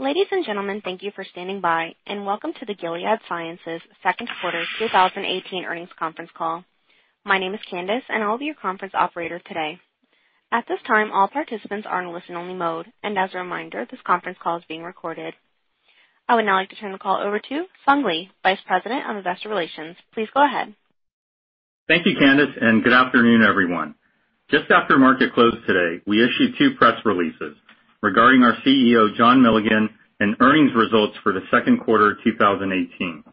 Ladies and gentlemen, thank you for standing by and welcome to the Gilead Sciences second quarter 2018 earnings conference call. My name is Candace and I'll be your conference operator today. At this time, all participants are in listen only mode. As a reminder, this conference call is being recorded. I would now like to turn the call over to Sung Lee, Vice President of Investor Relations. Please go ahead. Thank you, Candace, and good afternoon, everyone. Just after market close today, we issued two press releases regarding our CEO, John Milligan, and earnings results for the second quarter 2018.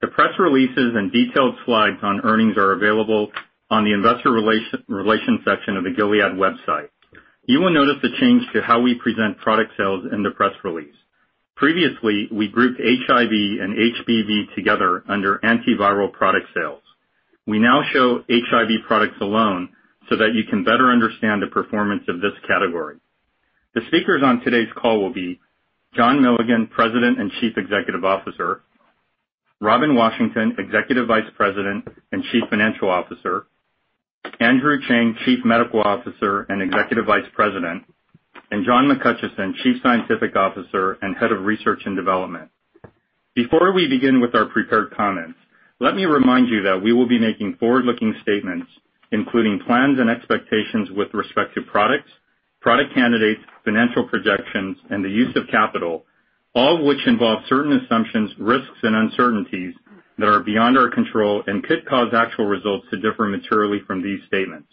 The press releases and detailed slides on earnings are available on the investor relations section of the Gilead website. You will notice a change to how we present product sales in the press release. Previously, we grouped HIV and HBV together under antiviral product sales. We now show HIV products alone so that you can better understand the performance of this category. The speakers on today's call will be John Milligan, President and Chief Executive Officer, Robin Washington, Executive Vice President and Chief Financial Officer, Andrew Cheng, Chief Medical Officer and Executive Vice President, and John McHutchison, Chief Scientific Officer and Head of Research and Development. Before we begin with our prepared comments, let me remind you that we will be making forward-looking statements, including plans and expectations with respect to products, product candidates, financial projections, and the use of capital, all of which involve certain assumptions, risks, and uncertainties that are beyond our control and could cause actual results to differ materially from these statements.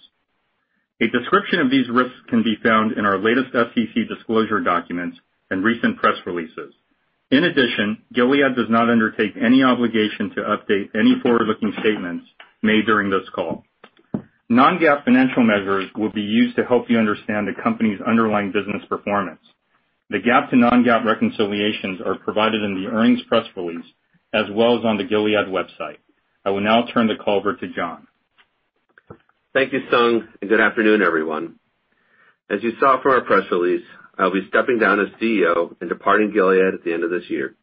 A description of these risks can be found in our latest SEC disclosure documents and recent press releases. In addition, Gilead does not undertake any obligation to update any forward-looking statements made during this call. Non-GAAP financial measures will be used to help you understand the company's underlying business performance. The GAAP to non-GAAP reconciliations are provided in the earnings press release, as well as on the Gilead website. I will now turn the call over to John. Thank you, Sung, and good afternoon, everyone. As you saw from our press release, I'll be stepping down as CEO and departing Gilead at the end of this year.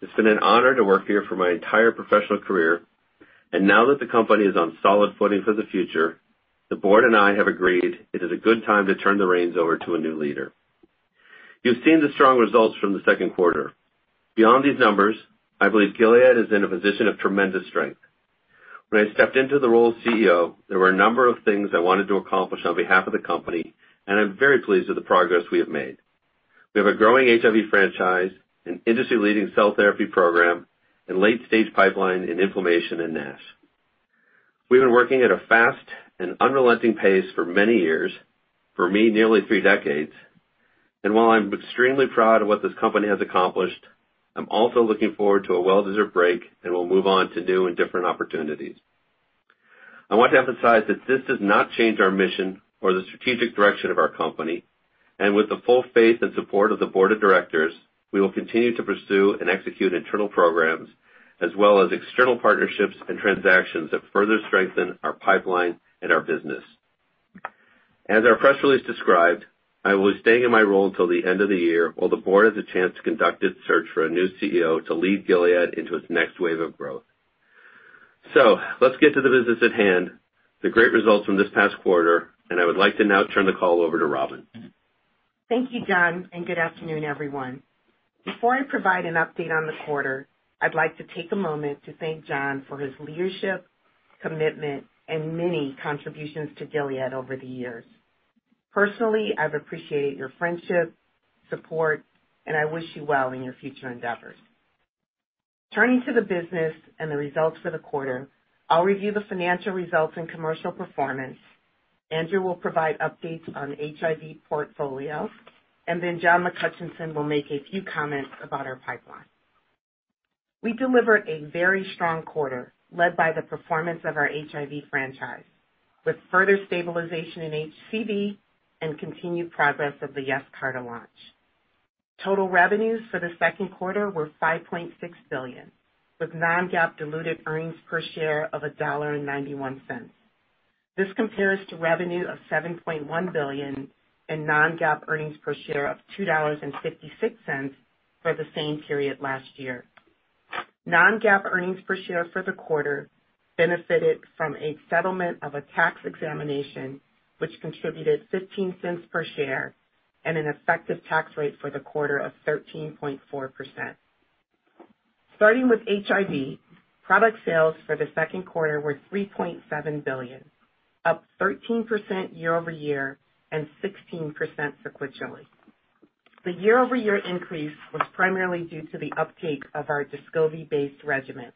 It's been an honor to work here for my entire professional career, and now that the company is on solid footing for the future, the board and I have agreed it is a good time to turn the reins over to a new leader. You've seen the strong results from the second quarter. Beyond these numbers, I believe Gilead is in a position of tremendous strength. When I stepped into the role of CEO, there were a number of things I wanted to accomplish on behalf of the company, and I'm very pleased with the progress we have made. We have a growing HIV franchise, an industry-leading cell therapy program, and late-stage pipeline in inflammation and NASH. We've been working at a fast and unrelenting pace for many years, for me, nearly three decades. While I'm extremely proud of what this company has accomplished, I'm also looking forward to a well-deserved break and will move on to new and different opportunities. I want to emphasize that this does not change our mission or the strategic direction of our company, with the full faith and support of the board of directors, we will continue to pursue and execute internal programs, as well as external partnerships and transactions that further strengthen our pipeline and our business. As our press release described, I will be staying in my role till the end of the year while the board has a chance to conduct its search for a new CEO to lead Gilead into its next wave of growth. Let's get to the business at hand, the great results from this past quarter. I would like to now turn the call over to Robin. Thank you, John. Good afternoon, everyone. Before I provide an update on the quarter, I'd like to take a moment to thank John for his leadership, commitment, and many contributions to Gilead over the years. Personally, I've appreciated your friendship, support, and I wish you well in your future endeavors. Turning to the business and the results for the quarter, I'll review the financial results and commercial performance. Andrew will provide updates on HIV portfolio. Then John McHutchison will make a few comments about our pipeline. We delivered a very strong quarter led by the performance of our HIV franchise, with further stabilization in HCV and continued progress of the YESCARTA launch. Total revenues for the second quarter were $5.6 billion, with non-GAAP diluted earnings per share of $1.91. This compares to revenue of $7.1 billion and non-GAAP earnings per share of $2.56 for the same period last year. Non-GAAP earnings per share for the quarter benefited from a settlement of a tax examination, which contributed $0.15 per share and an effective tax rate for the quarter of 13.4%. Starting with HIV, product sales for the second quarter were $3.7 billion, up 13% year-over-year and 16% sequentially. The year-over-year increase was primarily due to the uptake of our Descovy-based regimen,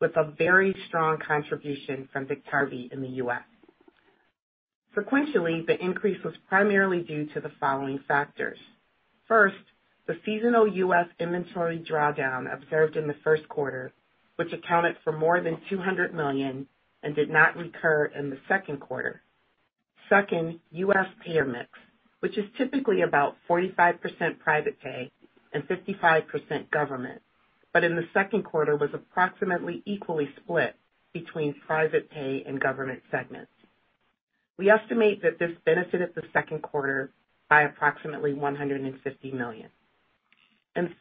with a very strong contribution from BIKTARVY in the U.S. Sequentially, the increase was primarily due to the following factors. First, the seasonal U.S. inventory drawdown observed in the first quarter, which accounted for more than $200 million and did not recur in the second quarter. Second, U.S. payer mix, which is typically about 45% private pay and 55% government, but in the second quarter was approximately equally split between private pay and government segments. We estimate that this benefited the second quarter by approximately $150 million.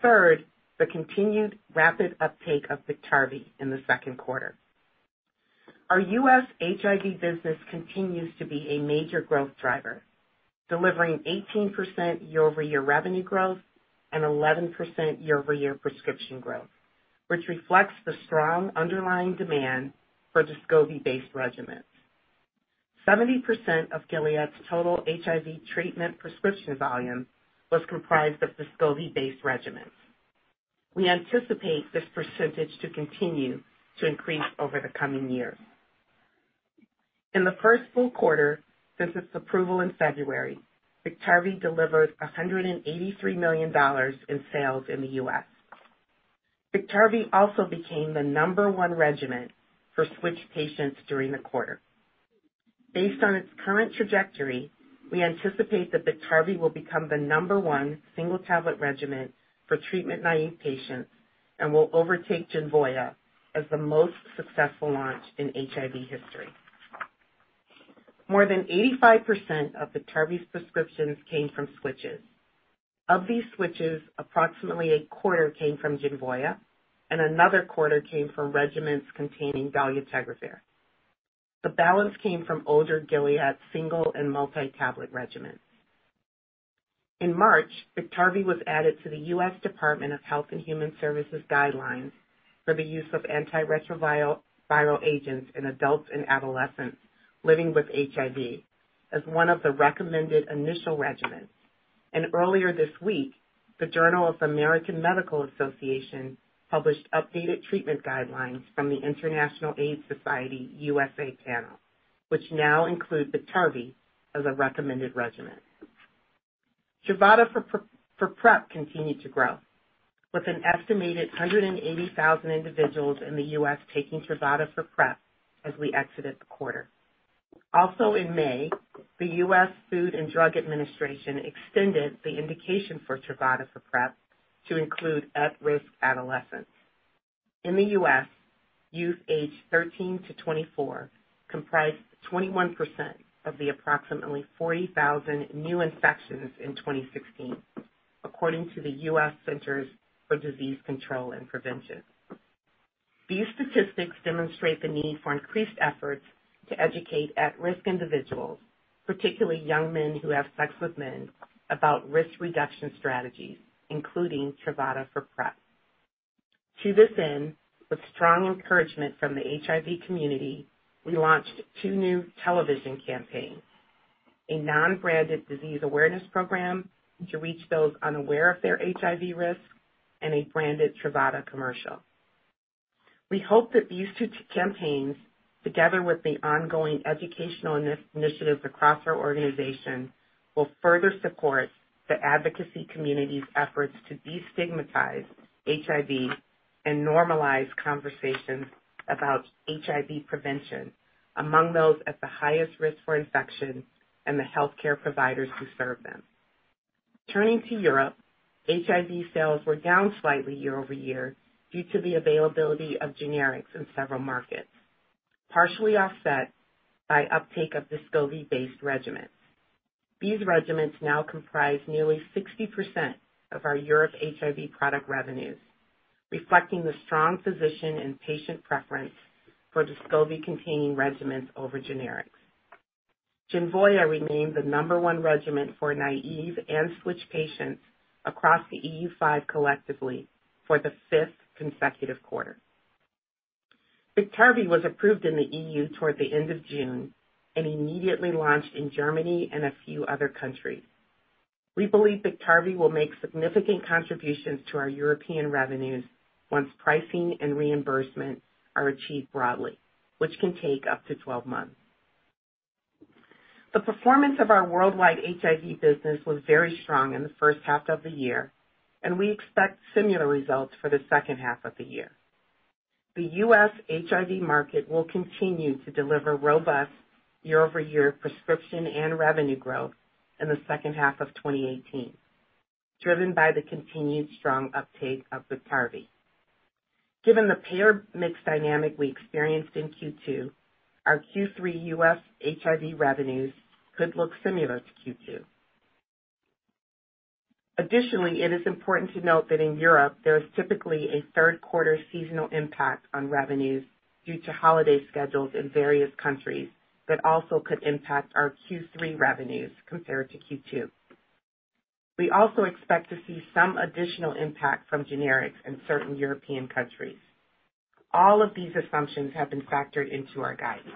Third, the continued rapid uptake of BIKTARVY in the second quarter. Our U.S. HIV business continues to be a major growth driver, delivering 18% year-over-year revenue growth and 11% year-over-year prescription growth, which reflects the strong underlying demand for Descovy-based regimens. 70% of Gilead's total HIV treatment prescription volume was comprised of Descovy-based regimens. We anticipate this percentage to continue to increase over the coming years. In the first full quarter since its approval in February, BIKTARVY delivered $183 million in sales in the U.S. BIKTARVY also became the number one regimen for switch patients during the quarter. Based on its current trajectory, we anticipate that BIKTARVY will become the number one single-tablet regimen for treatment-naive patients and will overtake Genvoya as the most successful launch in HIV history. More than 85% of BIKTARVY's prescriptions came from switches. Of these switches, approximately a quarter came from Genvoya, and another quarter came from regimens containing dolutegravir. The balance came from older Gilead single and multi-tablet regimens. In March, BIKTARVY was added to the U.S. Department of Health and Human Services guidelines for the use of antiretroviral agents in adults and adolescents living with HIV as one of the recommended initial regimens. Earlier this week, The Journal of the American Medical Association published updated treatment guidelines from the International AIDS Society-USA Panel, which now include BIKTARVY as a recommended regimen. Truvada for PrEP continued to grow, with an estimated 180,000 individuals in the U.S. taking Truvada for PrEP as we exited the quarter. Also in May, the U.S. Food and Drug Administration extended the indication for Truvada for PrEP to include at-risk adolescents. In the U.S., youth aged 13 to 24 comprised 21% of the approximately 40,000 new infections in 2016, according to the U.S. Centers for Disease Control and Prevention. These statistics demonstrate the need for increased efforts to educate at-risk individuals, particularly young men who have sex with men, about risk reduction strategies, including Truvada for PrEP. To this end, with strong encouragement from the HIV community, we launched two new television campaigns, a non-branded disease awareness program to reach those unaware of their HIV risk, and a branded Truvada commercial. We hope that these two campaigns, together with the ongoing educational initiatives across our organization, will further support the advocacy community's efforts to destigmatize HIV and normalize conversations about HIV prevention among those at the highest risk for infection and the healthcare providers who serve them. Turning to Europe, HIV sales were down slightly year-over-year due to the availability of generics in several markets, partially offset by uptake of Descovy-based regimens. These regimens now comprise nearly 60% of our Europe HIV product revenues, reflecting the strong physician and patient preference for Descovy-containing regimens over generics. Genvoya remained the number one regimen for naive and switch patients across the EU5 collectively for the fifth consecutive quarter. BIKTARVY was approved in the EU toward the end of June and immediately launched in Germany and a few other countries. We believe BIKTARVY will make significant contributions to our European revenues once pricing and reimbursement are achieved broadly, which can take up to 12 months. The performance of our worldwide HIV business was very strong in the first half of the year, and we expect similar results for the second half of the year. The U.S. HIV market will continue to deliver robust year-over-year prescription and revenue growth in the second half of 2018, driven by the continued strong uptake of BIKTARVY. Given the payer mix dynamic we experienced in Q2, our Q3 U.S. HIV revenues could look similar to Q2. Additionally, it is important to note that in Europe, there is typically a third-quarter seasonal impact on revenues due to holiday schedules in various countries that also could impact our Q3 revenues compared to Q2. We also expect to see some additional impact from generics in certain European countries. All of these assumptions have been factored into our guidance.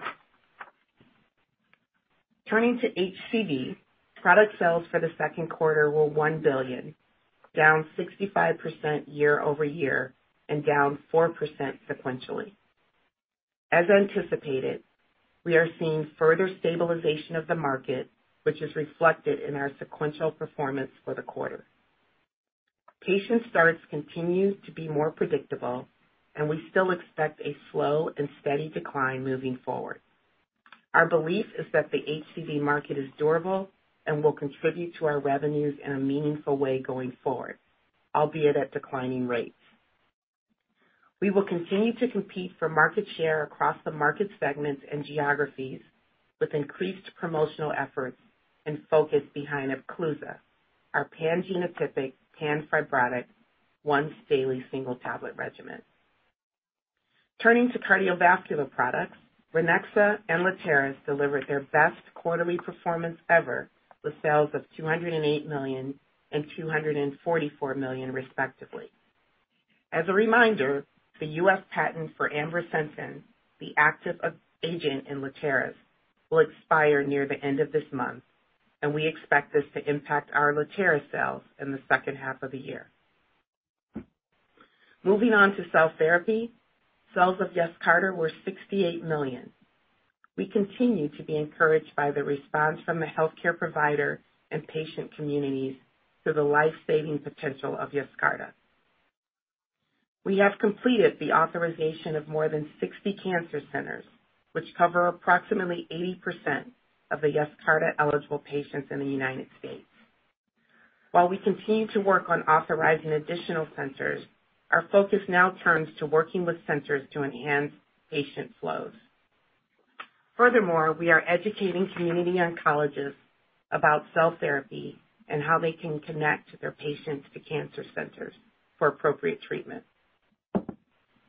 Turning to HCV, product sales for the second quarter were $1 billion, down 65% year-over-year and down 4% sequentially. As anticipated, we are seeing further stabilization of the market, which is reflected in our sequential performance for the quarter. Patient starts continue to be more predictable, and we still expect a slow and steady decline moving forward. Our belief is that the HCV market is durable and will contribute to our revenues in a meaningful way going forward, albeit at declining rates. We will continue to compete for market share across the market segments and geographies with increased promotional efforts and focus behind EPCLUSA, our pan-genotypic, pan-fibrotic Once-daily single tablet regimen. Turning to cardiovascular products, Ranexa and Letarais delivered their best quarterly performance ever with sales of $208 million and $244 million respectively. As a reminder, the U.S. patent for ambrisentan, the active agent in Letairis, will expire near the end of this month, and we expect this to impact our Letairis sales in the second half of the year. Moving on to cell therapy, sales of YESCARTA were $68 million. We continue to be encouraged by the response from the healthcare provider and patient communities to the life-saving potential of YESCARTA. We have completed the authorization of more than 60 cancer centers, which cover approximately 80% of the YESCARTA-eligible patients in the United States. While we continue to work on authorizing additional centers, our focus now turns to working with centers to enhance patient flows. Furthermore, we are educating community oncologists about cell therapy and how they can connect their patients to cancer centers for appropriate treatment.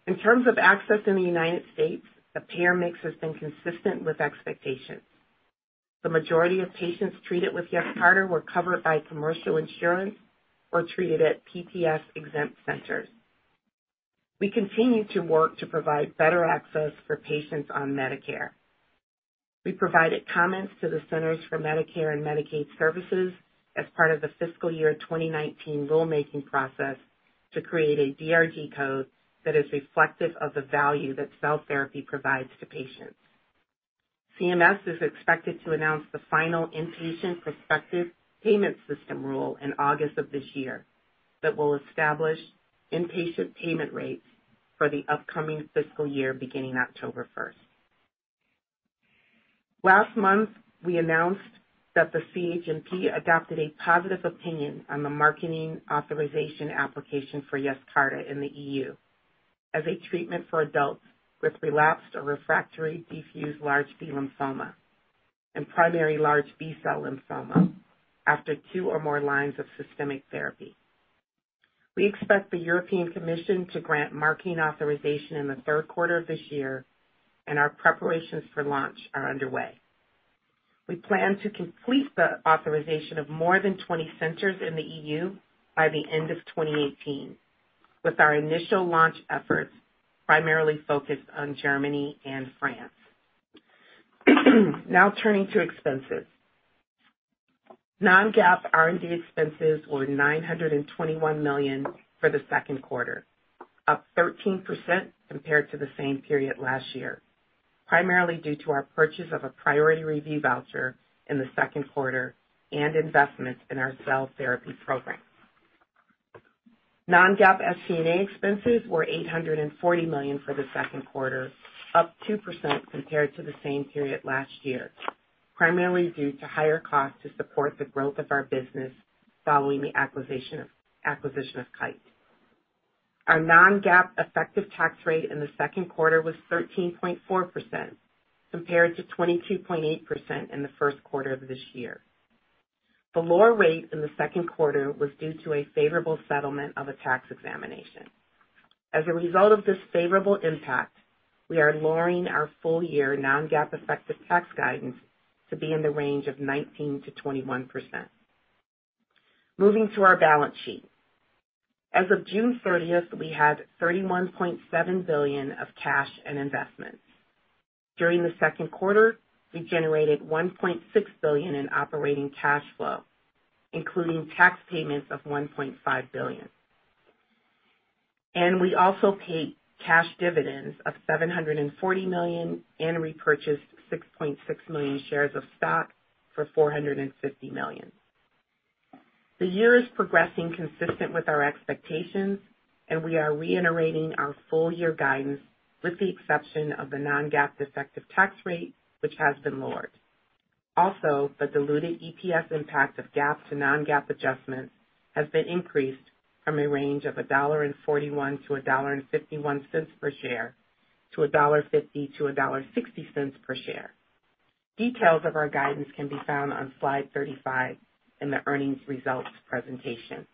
In terms of access in the United States, the payer mix has been consistent with expectations. The majority of patients treated with YESCARTA were covered by commercial insurance or treated at PPS-exempt centers. We continue to work to provide better access for patients on Medicare. We provided comments to the Centers for Medicare and Medicaid Services as part of the fiscal year 2019 rulemaking process to create a DRG code that is reflective of the value that cell therapy provides to patients. CMS is expected to announce the final inpatient prospective payment system rule in August of this year that will establish inpatient payment rates for the upcoming fiscal year, beginning October 1st. Last month, we announced that the CHMP adopted a positive opinion on the marketing authorization application for YESCARTA in the EU as a treatment for adults with relapsed or refractory diffuse large B lymphoma and primary large B-cell lymphoma after two or more lines of systemic therapy. We expect the European Commission to grant marketing authorization in the third quarter of this year, and our preparations for launch are underway. We plan to complete the authorization of more than 20 centers in the EU by the end of 2018, with our initial launch efforts primarily focused on Germany and France. Turning to expenses. Non-GAAP R&D expenses were $921 million for the second quarter, up 13% compared to the same period last year, primarily due to our purchase of a priority review voucher in the second quarter and investments in our cell therapy programs. Non-GAAP SG&A expenses were $840 million for the second quarter, up 2% compared to the same period last year, primarily due to higher costs to support the growth of our business following the acquisition of Kite. Our non-GAAP effective tax rate in the second quarter was 13.4%, compared to 22.8% in the first quarter of this year. The lower rate in the second quarter was due to a favorable settlement of a tax examination. As a result of this favorable impact, we are lowering our full-year non-GAAP effective tax guidance to be in the range of 19%-21%. To our balance sheet. As of June 30th, we had $31.7 billion of cash and investments. During the second quarter, we generated $1.6 billion in operating cash flow, including tax payments of $1.5 billion. We also paid cash dividends of $740 million and repurchased 6.6 million shares of stock for $450 million. The year is progressing consistent with our expectations, and we are reiterating our full-year guidance with the exception of the non-GAAP effective tax rate, which has been lowered. Also, the diluted EPS impact of GAAP to non-GAAP adjustments has been increased from a range of $1.41-$1.51 per share to $1.50-$1.60 per share. Details of our guidance can be found on slide 35 in the earnings results presentation.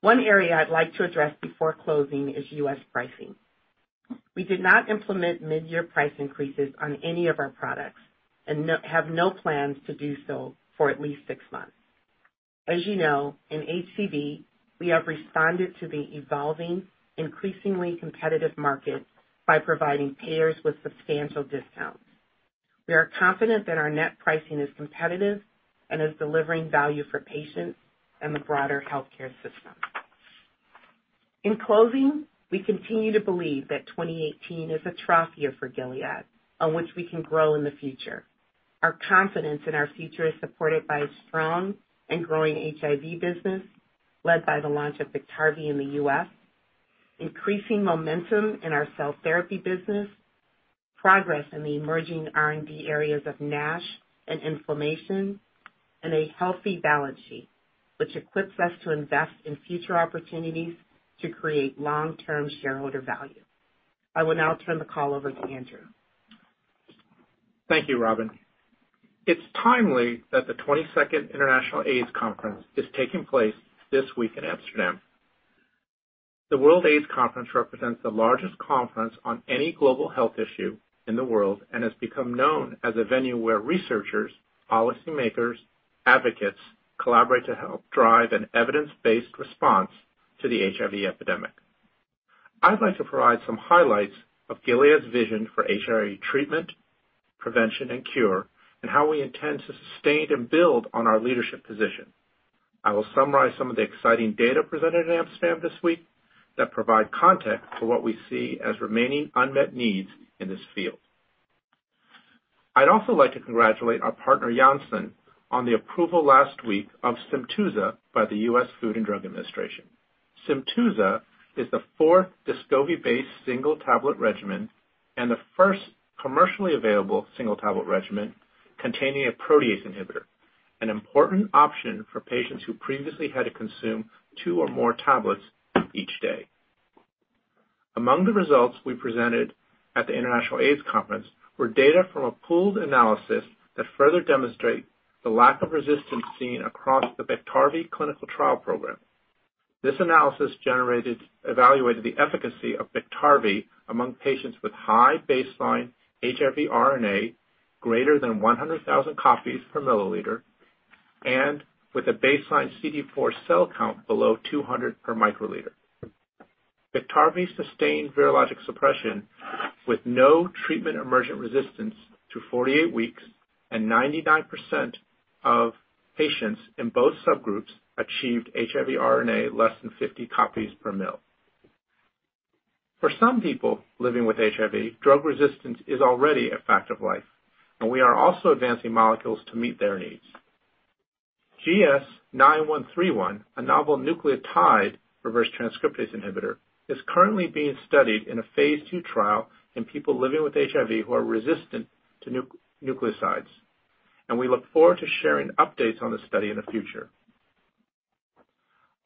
One area I'd like to address before closing is U.S. pricing. We did not implement mid-year price increases on any of our products and have no plans to do so for at least six months. As you know, in HCV, we have responded to the evolving, increasingly competitive market by providing payers with substantial discounts. We are confident that our net pricing is competitive and is delivering value for patients and the broader healthcare system. We continue to believe that 2018 is a trough year for Gilead on which we can grow in the future. Our confidence in our future is supported by a strong and growing HIV business, led by the launch of BIKTARVY in the U.S., increasing momentum in our cell therapy business, progress in the emerging R&D areas of NASH and inflammation, and a healthy balance sheet, which equips us to invest in future opportunities to create long-term shareholder value. I will now turn the call over to Andrew. Thank you, Robin. It's timely that the 22nd International AIDS Conference is taking place this week in Amsterdam. The World AIDS Conference represents the largest conference on any global health issue in the world, and has become known as a venue where researchers, policymakers, advocates collaborate to help drive an evidence-based response to the HIV epidemic. I'd like to provide some highlights of Gilead's vision for HIV treatment, prevention, and cure, and how we intend to sustain and build on our leadership position. I will summarize some of the exciting data presented in Amsterdam this week that provide context for what we see as remaining unmet needs in this field. I'd also like to congratulate our partner, Janssen, on the approval last week of SYMTUZA by the U.S. Food and Drug Administration. SYMTUZA is the fourth Descovy-based single-tablet regimen, and the first commercially available single-tablet regimen containing a protease inhibitor, an important option for patients who previously had to consume two or more tablets each day. Among the results we presented at the International AIDS Conference were data from a pooled analysis that further demonstrate the lack of resistance seen across the BIKTARVY clinical trial program. This analysis evaluated the efficacy of BIKTARVY among patients with high baseline HIV RNA greater than 100,000 copies per milliliter, and with a baseline CD4 cell count below 200 per microliter. BIKTARVY sustained virologic suppression with no treatment-emergent resistance to 48 weeks, and 99% of patients in both subgroups achieved HIV RNA less than 50 copies per mil. For some people living with HIV, drug resistance is already a fact of life, and we are also advancing molecules to meet their needs. GS-9131, a novel nucleotide reverse transcriptase inhibitor, is currently being studied in a phase II trial in people living with HIV who are resistant to nucleosides. We look forward to sharing updates on this study in the future.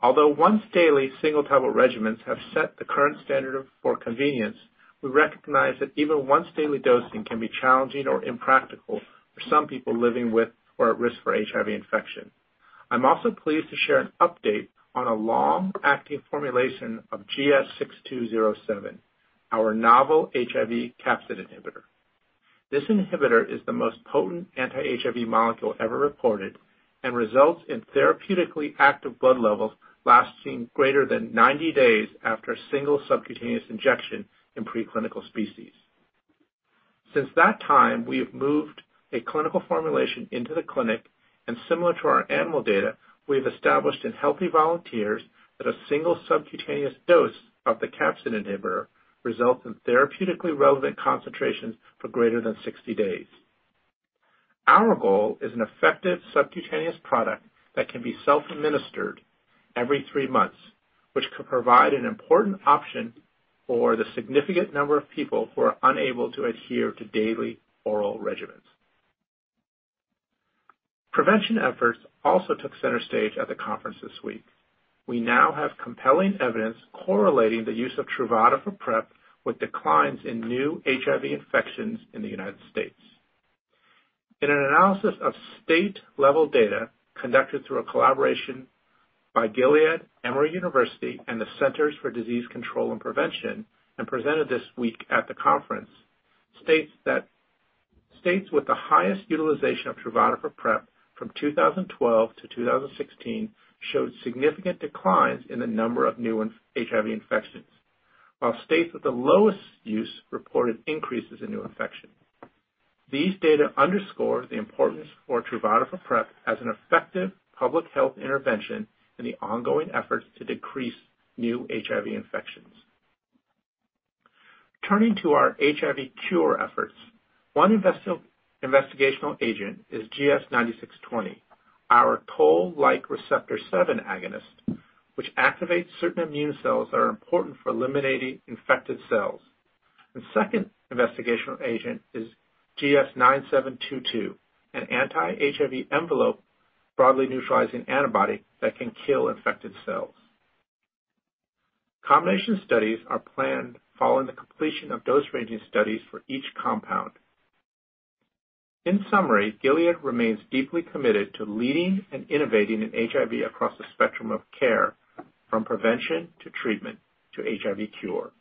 Although once-daily single-tablet regimens have set the current standard for convenience, we recognize that even once-daily dosing can be challenging or impractical for some people living with, or at risk for HIV infection. I'm also pleased to share an update on a long-acting formulation of GS-6207, our novel HIV capsid inhibitor. This inhibitor is the most potent anti-HIV molecule ever reported, and results in therapeutically active blood levels lasting greater than 90 days after a single subcutaneous injection in preclinical species. Since that time, we have moved a clinical formulation into the clinic, similar to our animal data, we've established in healthy volunteers that a single subcutaneous dose of the capsid inhibitor results in therapeutically relevant concentrations for greater than 60 days. Our goal is an effective subcutaneous product that can be self-administered every three months, which could provide an important option for the significant number of people who are unable to adhere to daily oral regimens. Prevention efforts also took center stage at the conference this week. We now have compelling evidence correlating the use of Truvada for PrEP with declines in new HIV infections in the United States. In an analysis of state-level data conducted through a collaboration by Gilead, Emory University, and the Centers for Disease Control and Prevention, and presented this week at the conference, states with the highest utilization of Truvada for PrEP from 2012 to 2016 showed significant declines in the number of new HIV infections. While states with the lowest use reported increases in new infections. These data underscore the importance for Truvada for PrEP as an effective public health intervention in the ongoing efforts to decrease new HIV infections. Turning to our HIV cure efforts, one investigational agent is GS-9620, our toll-like receptor 7 agonist, which activates certain immune cells that are important for eliminating infected cells. The second investigational agent is GS-9722, an anti-HIV envelope broadly neutralizing antibody that can kill infected cells. Combination studies are planned following the completion of dose-ranging studies for each compound. Thank you, Andrew, and thank you everyone for joining us today. In summary, Gilead remains deeply committed to leading and innovating in HIV across the spectrum of care, from prevention to treatment to HIV cure.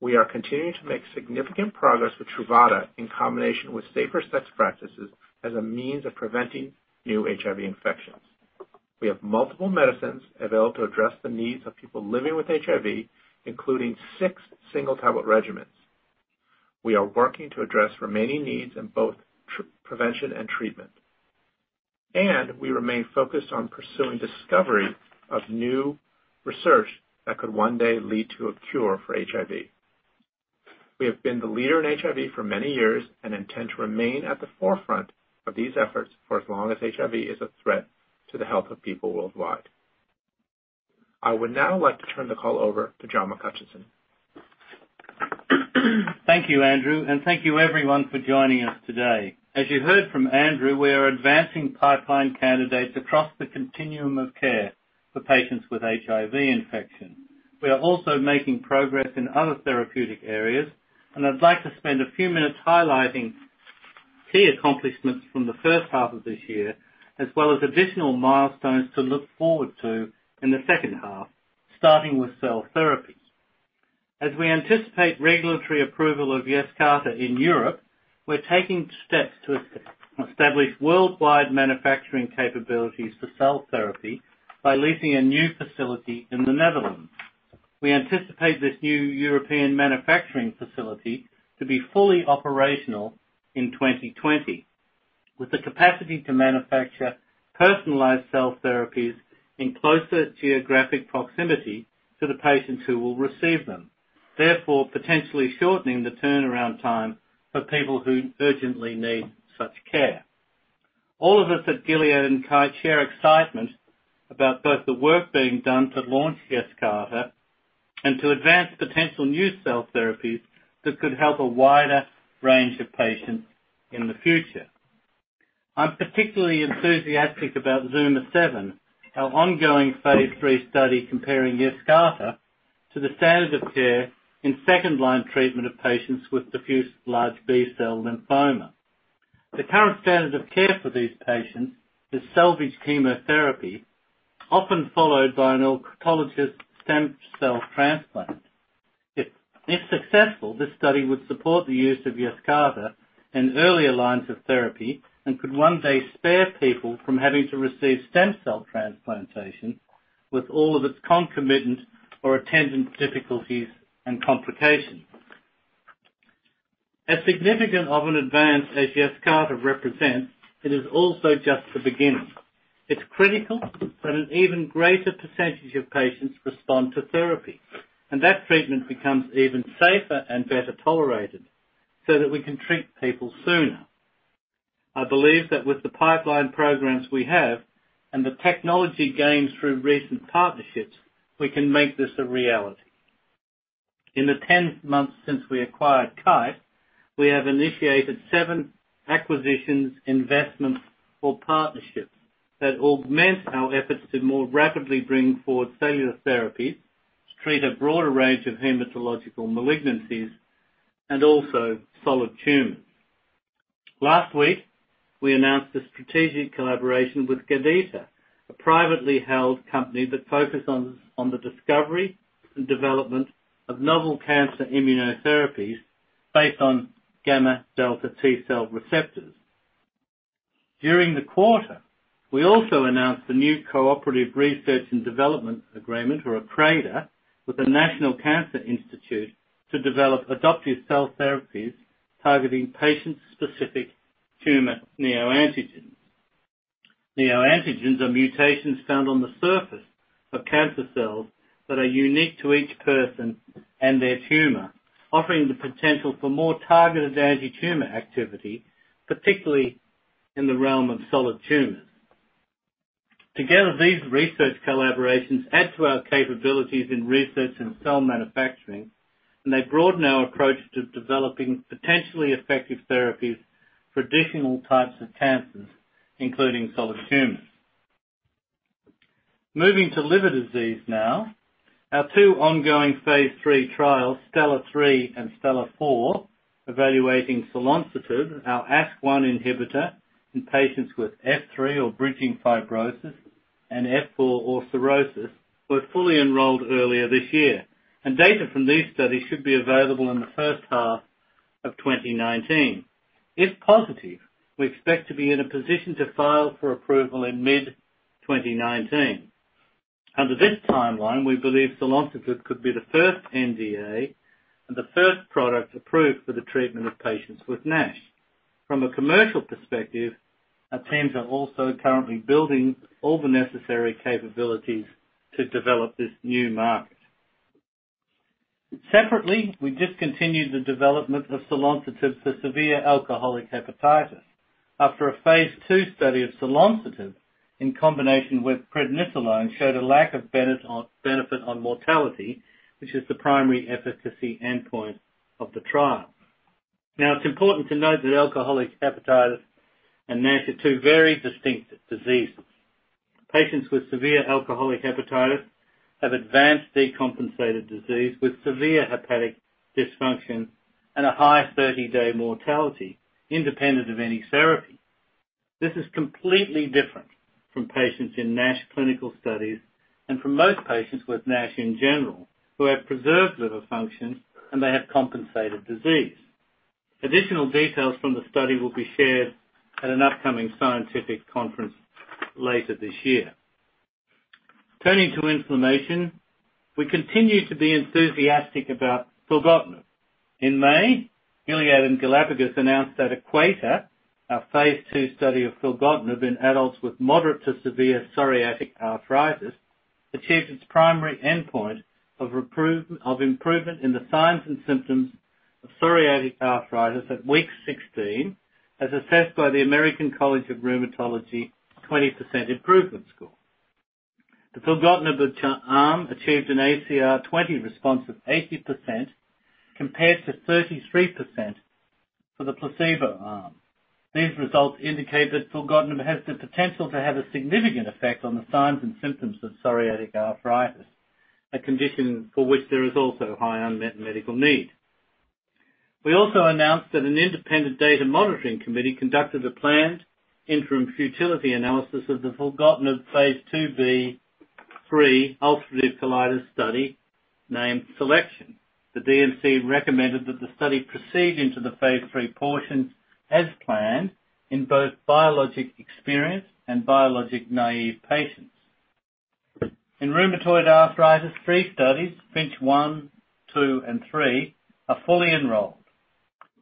We are continuing to make significant progress with Truvada in combination with safer sex practices as a means of preventing new HIV infections. We have multiple medicines available to address the needs of people living with HIV, including six single-tablet regimens. We are working to address remaining needs in both prevention and treatment. We remain focused on pursuing discovery of new research that could one day lead to a cure for HIV. We have been the leader in HIV for many years, and intend to remain at the forefront of these efforts for as long as HIV is a threat to the health of people worldwide. I would now like to turn the call over to John McHutchison. Thank you, Andrew, and thank you everyone for joining us today. As you heard from Andrew, we are advancing pipeline candidates across the continuum of care for patients with HIV infection. We are also making progress in other therapeutic areas, and I'd like to spend a few minutes highlighting key accomplishments from the first half of this year, as well as additional milestones to look forward to in the second half, starting with cell therapies. As we anticipate regulatory approval of YESCARTA in Europe, we're taking steps to establish worldwide manufacturing capabilities for cell therapy by leasing a new facility in the Netherlands. We anticipate this new European manufacturing facility to be fully operational in 2020, with the capacity to manufacture personalized cell therapies in closer geographic proximity to the patients who will receive them, therefore, potentially shortening the turnaround time for people who urgently need such care. All of us at Gilead and Kite share excitement about both the work being done to launch YESCARTA and to advance potential new cell therapies that could help a wider range of patients in the future. I'm particularly enthusiastic about ZUMA-7, our ongoing phase III study comparing YESCARTA to the standard of care in second-line treatment of patients with diffuse large B-cell lymphoma. The current standard of care for these patients is salvage chemotherapy, often followed by an autologous stem cell transplant. If successful, this study would support the use of YESCARTA in earlier lines of therapy and could one day spare people from having to receive stem cell transplantation with all of its concomitant or attendant difficulties and complications. As significant of an advance as YESCARTA represents, it is also just the beginning. It's critical that an even greater percentage of patients respond to therapy, and that treatment becomes even safer and better tolerated so that we can treat people sooner. I believe that with the pipeline programs we have and the technology gains through recent partnerships, we can make this a reality. In the 10 months since we acquired Kite, we have initiated 7 acquisitions, investments or partnerships that augment our efforts to more rapidly bring forward cellular therapies to treat a broader range of hematological malignancies and also solid tumors. Last week, we announced a strategic collaboration with Gadeta, a privately held company that focuses on the discovery and development of novel cancer immunotherapies based on gamma delta T-cell receptors. During the quarter, we also announced a new cooperative research and development agreement, or a CRADA, with the National Cancer Institute to develop adoptive cell therapies targeting patient-specific tumor neoantigens. Neoantigens are mutations found on the surface of cancer cells that are unique to each person and their tumor, offering the potential for more targeted anti-tumor activity, particularly in the realm of solid tumors. Together, these research collaborations add to our capabilities in research and cell manufacturing, they broaden our approach to developing potentially effective therapies for additional types of cancers, including solid tumors. Moving to liver disease now. Our two ongoing phase III trials, STELLAR-3 and STELLAR-4, evaluating selonsertib, our ASK1 inhibitor in patients with F3 or bridging fibrosis and F4 or cirrhosis, were fully enrolled earlier this year, and data from these studies should be available in the first half of 2019. If positive, we expect to be in a position to file for approval in mid-2019. Under this timeline, we believe selonsertib could be the first NDA and the first product approved for the treatment of patients with NASH. From a commercial perspective, our teams are also currently building all the necessary capabilities to develop this new market. Separately, we discontinued the development of selonsertib for severe alcoholic hepatitis after a phase II study of selonsertib in combination with prednisolone showed a lack of benefit on mortality, which is the primary efficacy endpoint of the trial. It's important to note that alcoholic hepatitis and NASH are two very distinct diseases. Patients with severe alcoholic hepatitis have advanced decompensated disease with severe hepatic dysfunction and a high 30-day mortality independent of any therapy. This is completely different from patients in NASH clinical studies and from most patients with NASH in general, who have preserved liver function, and they have compensated disease. Additional details from the study will be shared at an upcoming scientific conference later this year. Turning to inflammation, we continue to be enthusiastic about filgotinib. In May, Gilead and Galapagos announced that EQUATOR, our phase II study of filgotinib in adults with moderate to severe psoriatic arthritis, achieved its primary endpoint of improvement in the signs and symptoms of psoriatic arthritis at week 16, as assessed by the American College of Rheumatology 20% improvement score. The filgotinib arm achieved an ACR20 response of 80%, compared to 33% for the placebo arm. These results indicate that filgotinib has the potential to have a significant effect on the signs and symptoms of psoriatic arthritis, a condition for which there is also high unmet medical need. We also announced that an independent data monitoring committee conducted a planned interim futility analysis of the filgotinib phase IIb/III ulcerative colitis study named SELECTION. The DMC recommended that the study proceed into the phase III portion as planned in both biologic-experienced and biologic-naive patients. In rheumatoid arthritis, three studies, FINCH 1, 2, and 3, are fully enrolled.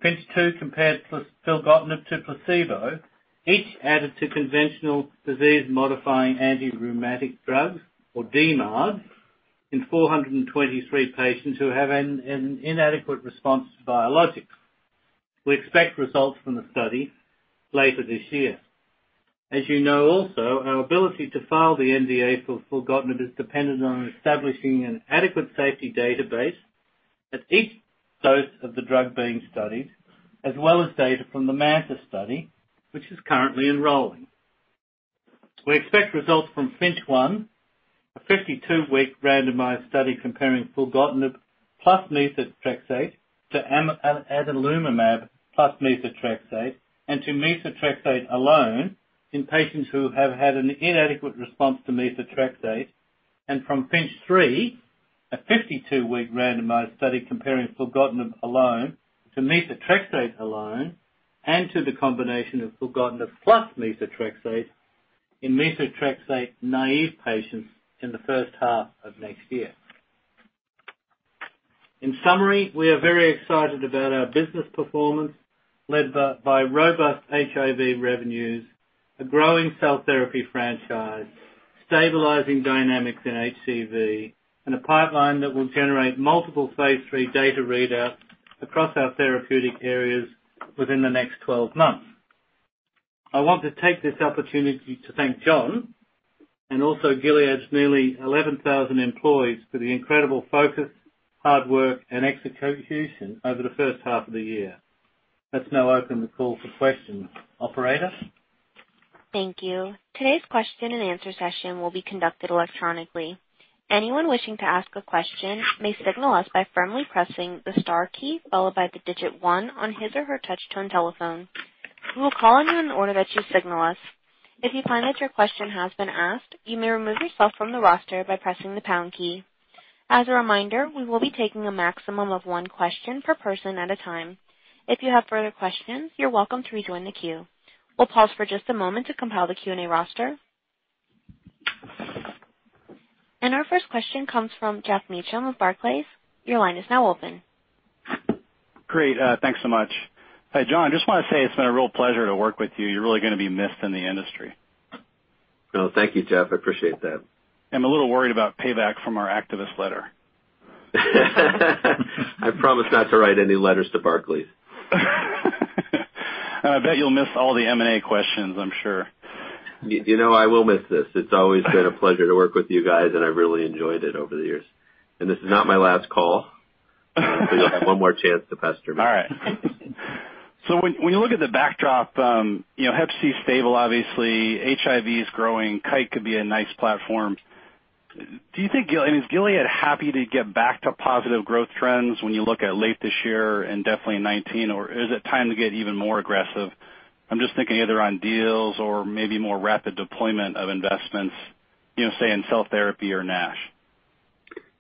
FINCH 2 compared filgotinib to placebo, each added to conventional disease-modifying antirheumatic drugs, or DMARD, in 423 patients who have an inadequate response to biologics. We expect results from the study later this year. As you know also, our ability to file the NDA for filgotinib is dependent on establishing an adequate safety database at each dose of the drug being studied, as well as data from the MANTA study, which is currently enrolling. We expect results from FINCH 1, a 52-week randomized study comparing filgotinib plus methotrexate to adalimumab plus methotrexate and to methotrexate alone in patients who have had an inadequate response to methotrexate, and from FINCH 3, a 52-week randomized study comparing filgotinib alone to methotrexate alone and to the combination of filgotinib plus methotrexate in methotrexate naive patients in the first half of next year. In summary, we are very excited about our business performance led by robust HIV revenues, a growing cell therapy franchise, stabilizing dynamics in HCV, and a pipeline that will generate multiple phase III data readouts across our therapeutic areas within the next 12 months. I want to take this opportunity to thank John and also Gilead's nearly 11,000 employees for the incredible focus, hard work, and execution over the first half of the year. Let's now open the call for questions. Operator? Thank you. Today's question and answer session will be conducted electronically. Anyone wishing to ask a question may signal us by firmly pressing the star key followed by the digit one on his or her touch-tone telephone. We will call on you in the order that you signal us. If you find that your question has been asked, you may remove yourself from the roster by pressing the pound key. As a reminder, we will be taking a maximum of one question per person at a time. If you have further questions, you're welcome to rejoin the queue. We'll pause for just a moment to compile the Q&A roster. Our first question comes from Geoffrey Meacham with Barclays. Your line is now open. Great. Thanks so much. Hi, John. Just want to say it's been a real pleasure to work with you. You're really going to be missed in the industry. Well, thank you, Jeff. I appreciate that. I'm a little worried about payback from our activist letter. I promise not to write any letters to Barclays. I bet you'll miss all the M&A questions, I'm sure. You know, I will miss this. It's always been a pleasure to work with you guys, and I've really enjoyed it over the years. This is not my last call. You'll have one more chance to pester me. All right. When you look at the backdrop, hep C's stable, obviously. HIV is growing. Kite could be a nice platform. Is Gilead happy to get back to positive growth trends when you look at late this year and definitely in 2019? Or is it time to get even more aggressive? I'm just thinking either on deals or maybe more rapid deployment of investments, say, in cell therapy or NASH.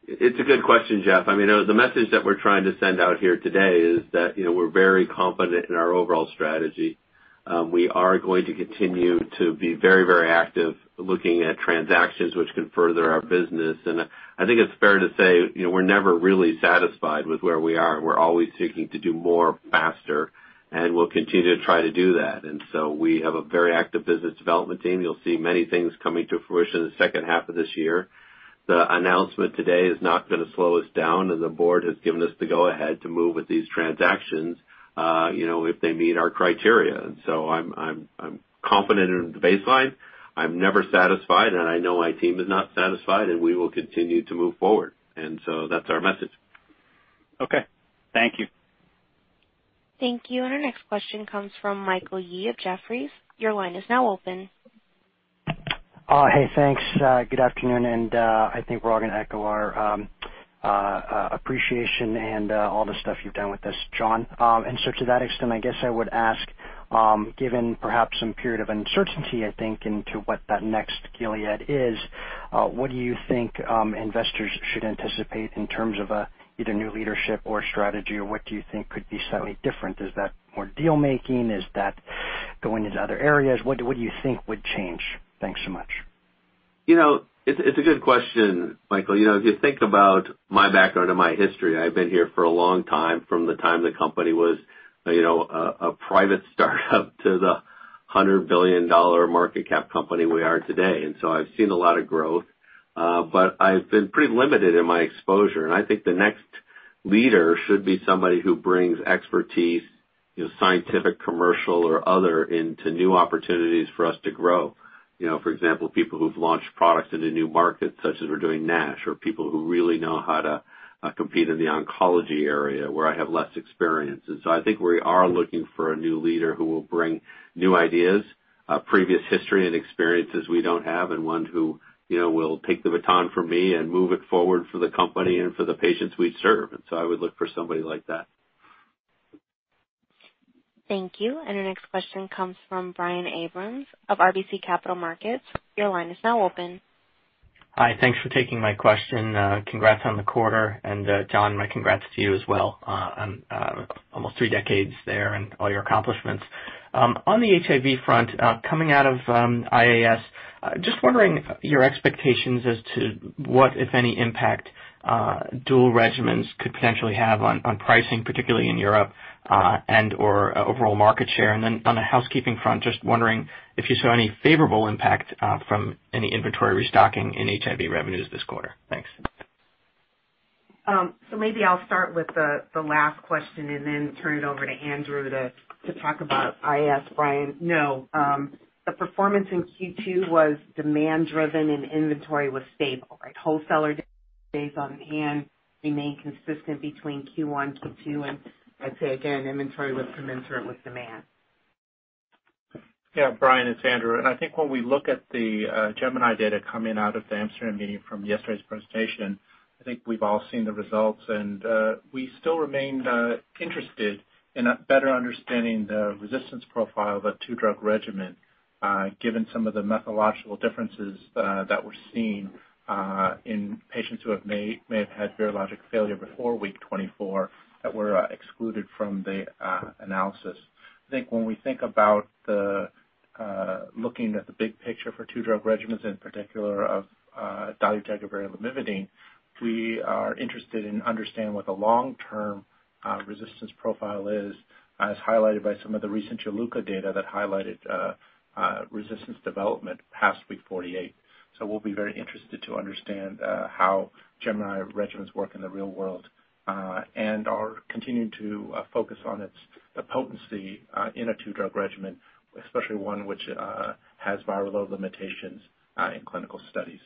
It's a good question, Geoffrey. The message that we're trying to send out here today is that we're very confident in our overall strategy. We are going to continue to be very active looking at transactions which can further our business. I think it's fair to say we're never really satisfied with where we are. We're always seeking to do more faster, and we'll continue to try to do that. We have a very active business development team. You'll see many things coming to fruition in the second half of this year. The announcement today is not going to slow us down, and the Board has given us the go ahead to move with these transactions if they meet our criteria. I'm confident in the baseline. I'm never satisfied, and I know my team is not satisfied, and we will continue to move forward. That's our message. Okay. Thank you. Thank you. Our next question comes from Michael Yee of Jefferies. Your line is now open. Hey, thanks. Good afternoon. I think we're all going to echo our appreciation and all the stuff you've done with us, John. To that extent, I guess I would ask, given perhaps some period of uncertainty, I think, into what that next Gilead is, what do you think investors should anticipate in terms of either new leadership or strategy, or what do you think could be slightly different? Is that more deal-making? Is that going into other areas? What do you think would change? Thanks so much. It's a good question, Michael. If you think about my background and my history, I've been here for a long time, from the time the company was a private startup to the $100 billion market cap company we are today. So I've seen a lot of growth, but I've been pretty limited in my exposure. I think the next leader should be somebody who brings expertise, scientific, commercial, or other, into new opportunities for us to grow. For example, people who've launched products into new markets such as we're doing NASH, or people who really know how to compete in the oncology area, where I have less experience. I think we are looking for a new leader who will bring new ideas, previous history, and experiences we don't have, and one who will take the baton from me and move it forward for the company and for the patients we serve. I would look for somebody like that. Thank you. Our next question comes from Brian Abrahams of RBC Capital Markets. Your line is now open. Hi. Thanks for taking my question. Congrats on the quarter. John, my congrats to you as well on almost three decades there and all your accomplishments. On the HIV front, coming out of IAS, just wondering your expectations as to what, if any, impact dual regimens could potentially have on pricing, particularly in Europe, and/or overall market share. On the housekeeping front, just wondering if you saw any favorable impact from any inventory restocking in HIV revenues this quarter. Thanks. Maybe I'll start with the last question and then turn it over to Andrew to talk about IAS, Brian. No, the performance in Q2 was demand-driven and inventory was stable. Wholesaler days on hand remain consistent between Q1, Q2, and I'd say again, inventory was commensurate with demand. Yeah, Brian, it's Andrew. I think when we look at the GEMINI data coming out of the Amsterdam meeting from yesterday's presentation, I think we've all seen the results. We still remain interested in better understanding the resistance profile of a two-drug regimen, given some of the methodological differences that were seen in patients who may have had virologic failure before week 24 that were excluded from the analysis. I think when we think about looking at the big picture for two-drug regimens, in particular of dolutegravir and lamivudine, we are interested in understanding what the long-term resistance profile is, as highlighted by some of the recent Juluca data that highlighted resistance development past week 48. We'll be very interested to understand how GEMINI regimens work in the real world and are continuing to focus on its potency in a two-drug regimen, especially one which has viral load limitations in clinical studies.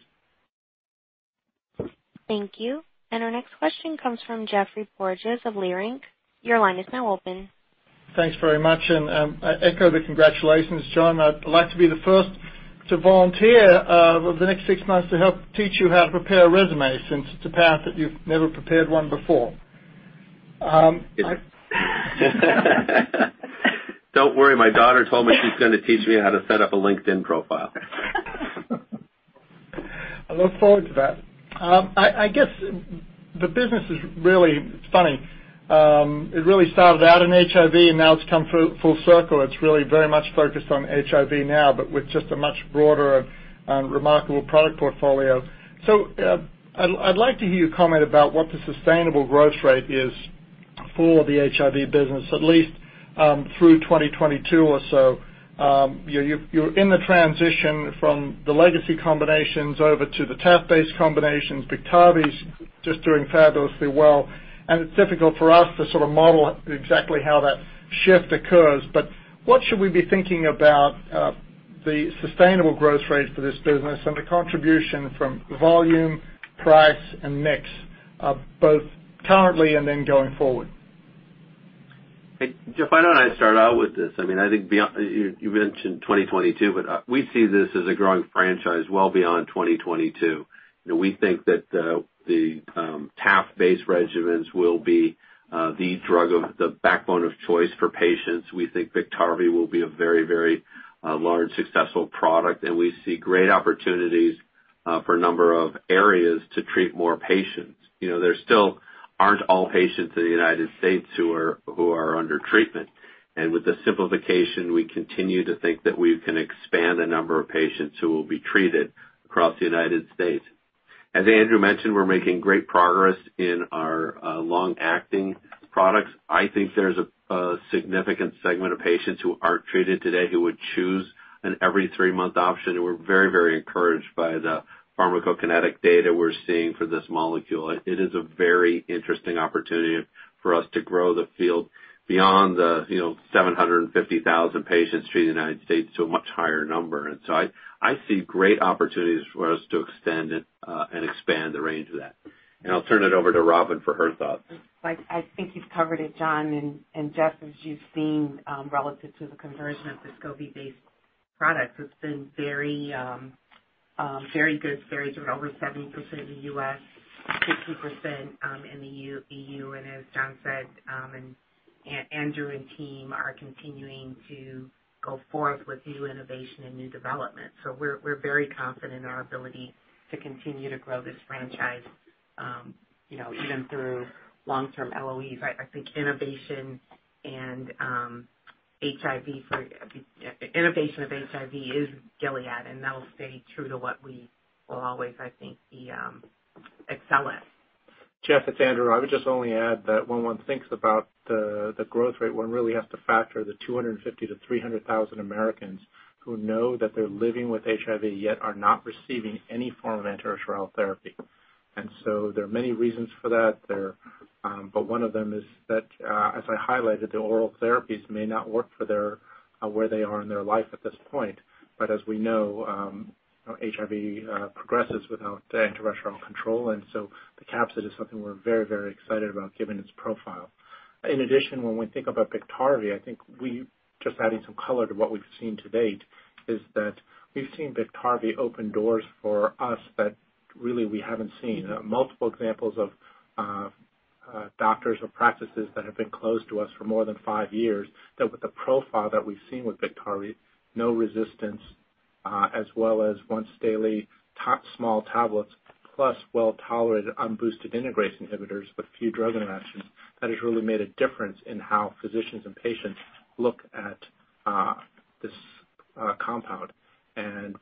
Thank you. Our next question comes from Geoffrey Porges of Leerink. Your line is now open. Thanks very much, and I echo the congratulations, John. I'd like to be the first to volunteer over the next six months to help teach you how to prepare a resume, since it's a path that you've never prepared one before. Don't worry, my daughter told me she's going to teach me how to set up a LinkedIn profile. I look forward to that. I guess the business is really funny. It really started out in HIV, and now it's come full circle. It's really very much focused on HIV now, but with just a much broader and remarkable product portfolio. I'd like to hear your comment about what the sustainable growth rate is for the HIV business, at least through 2022 or so. You're in the transition from the legacy combinations over to the TAF-based combinations. BIKTARVY's just doing fabulously well, and it's difficult for us to sort of model exactly how that shift occurs. What should we be thinking about the sustainable growth rates for this business and the contribution from volume, price, and mix, both currently and then going forward? Hey, Jeff, why don't I start out with this? I think you mentioned 2022, but we see this as a growing franchise well beyond 2022. We think that the TAF-based regimens will be the drug of the backbone of choice for patients. We think BIKTARVY will be a very large, successful product, and we see great opportunities for a number of areas to treat more patients. There still aren't all patients in the United States who are under treatment. With the simplification, we continue to think that we can expand the number of patients who will be treated across the United States. As Andrew mentioned, we're making great progress in our long-acting products. I think there's a significant segment of patients who aren't treated today who would choose an every three-month option, and we're very encouraged by the pharmacokinetic data we're seeing for this molecule. It is a very interesting opportunity for us to grow the field beyond the 750,000 patients treated in the United States to a much higher number. I see great opportunities for us to extend it and expand the range of that. I'll turn it over to Robin for her thoughts. I think you've covered it, John. Jeff, as you've seen, relative to the conversion of the Descovy-based products, it's been very good. Over 70% in the U.S., 50% in the EU. As John said, Andrew and team are continuing to go forth with new innovation and new development. We're very confident in our ability to continue to grow this franchise even through long-term LOE. I think innovation of HIV is Gilead, and that'll stay true to what we will always, I think, excel at. Jeff, it's Andrew. I would just only add that when one thinks about the growth rate, one really has to factor the 250,000 to 300,000 Americans who know that they're living with HIV, yet are not receiving any form of antiretroviral therapy. There are many reasons for that. One of them is that, as I highlighted, the oral therapies may not work for their Where they are in their life at this point. As we know, HIV progresses without antiretroviral control. The capsid is something we're very excited about given its profile. When we think about BIKTARVY, just adding some color to what we've seen to date, is that we've seen BIKTARVY open doors for us that really we haven't seen. Multiple examples of doctors or practices that have been closed to us for more than 5 years, that with the profile that we've seen with BIKTARVY, no resistance, as well as once-daily top small tablets plus well tolerated unboosted integrase inhibitors with few drug interactions, that has really made a difference in how physicians and patients look at this compound.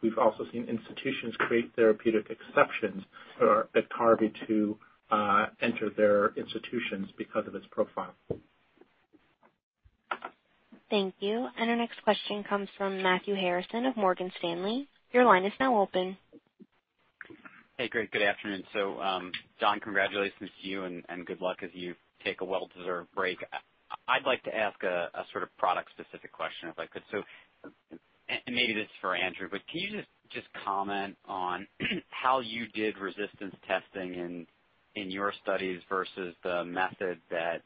We've also seen institutions create therapeutic exceptions for BIKTARVY to enter their institutions because of its profile. Thank you. Our next question comes from Matthew Harrison of Morgan Stanley. Your line is now open. Great. Good afternoon. John, congratulations to you and good luck as you take a well-deserved break. I'd like to ask a sort of product-specific question, if I could. Maybe this is for Andrew, but can you just comment on how you did resistance testing in your studies versus the method that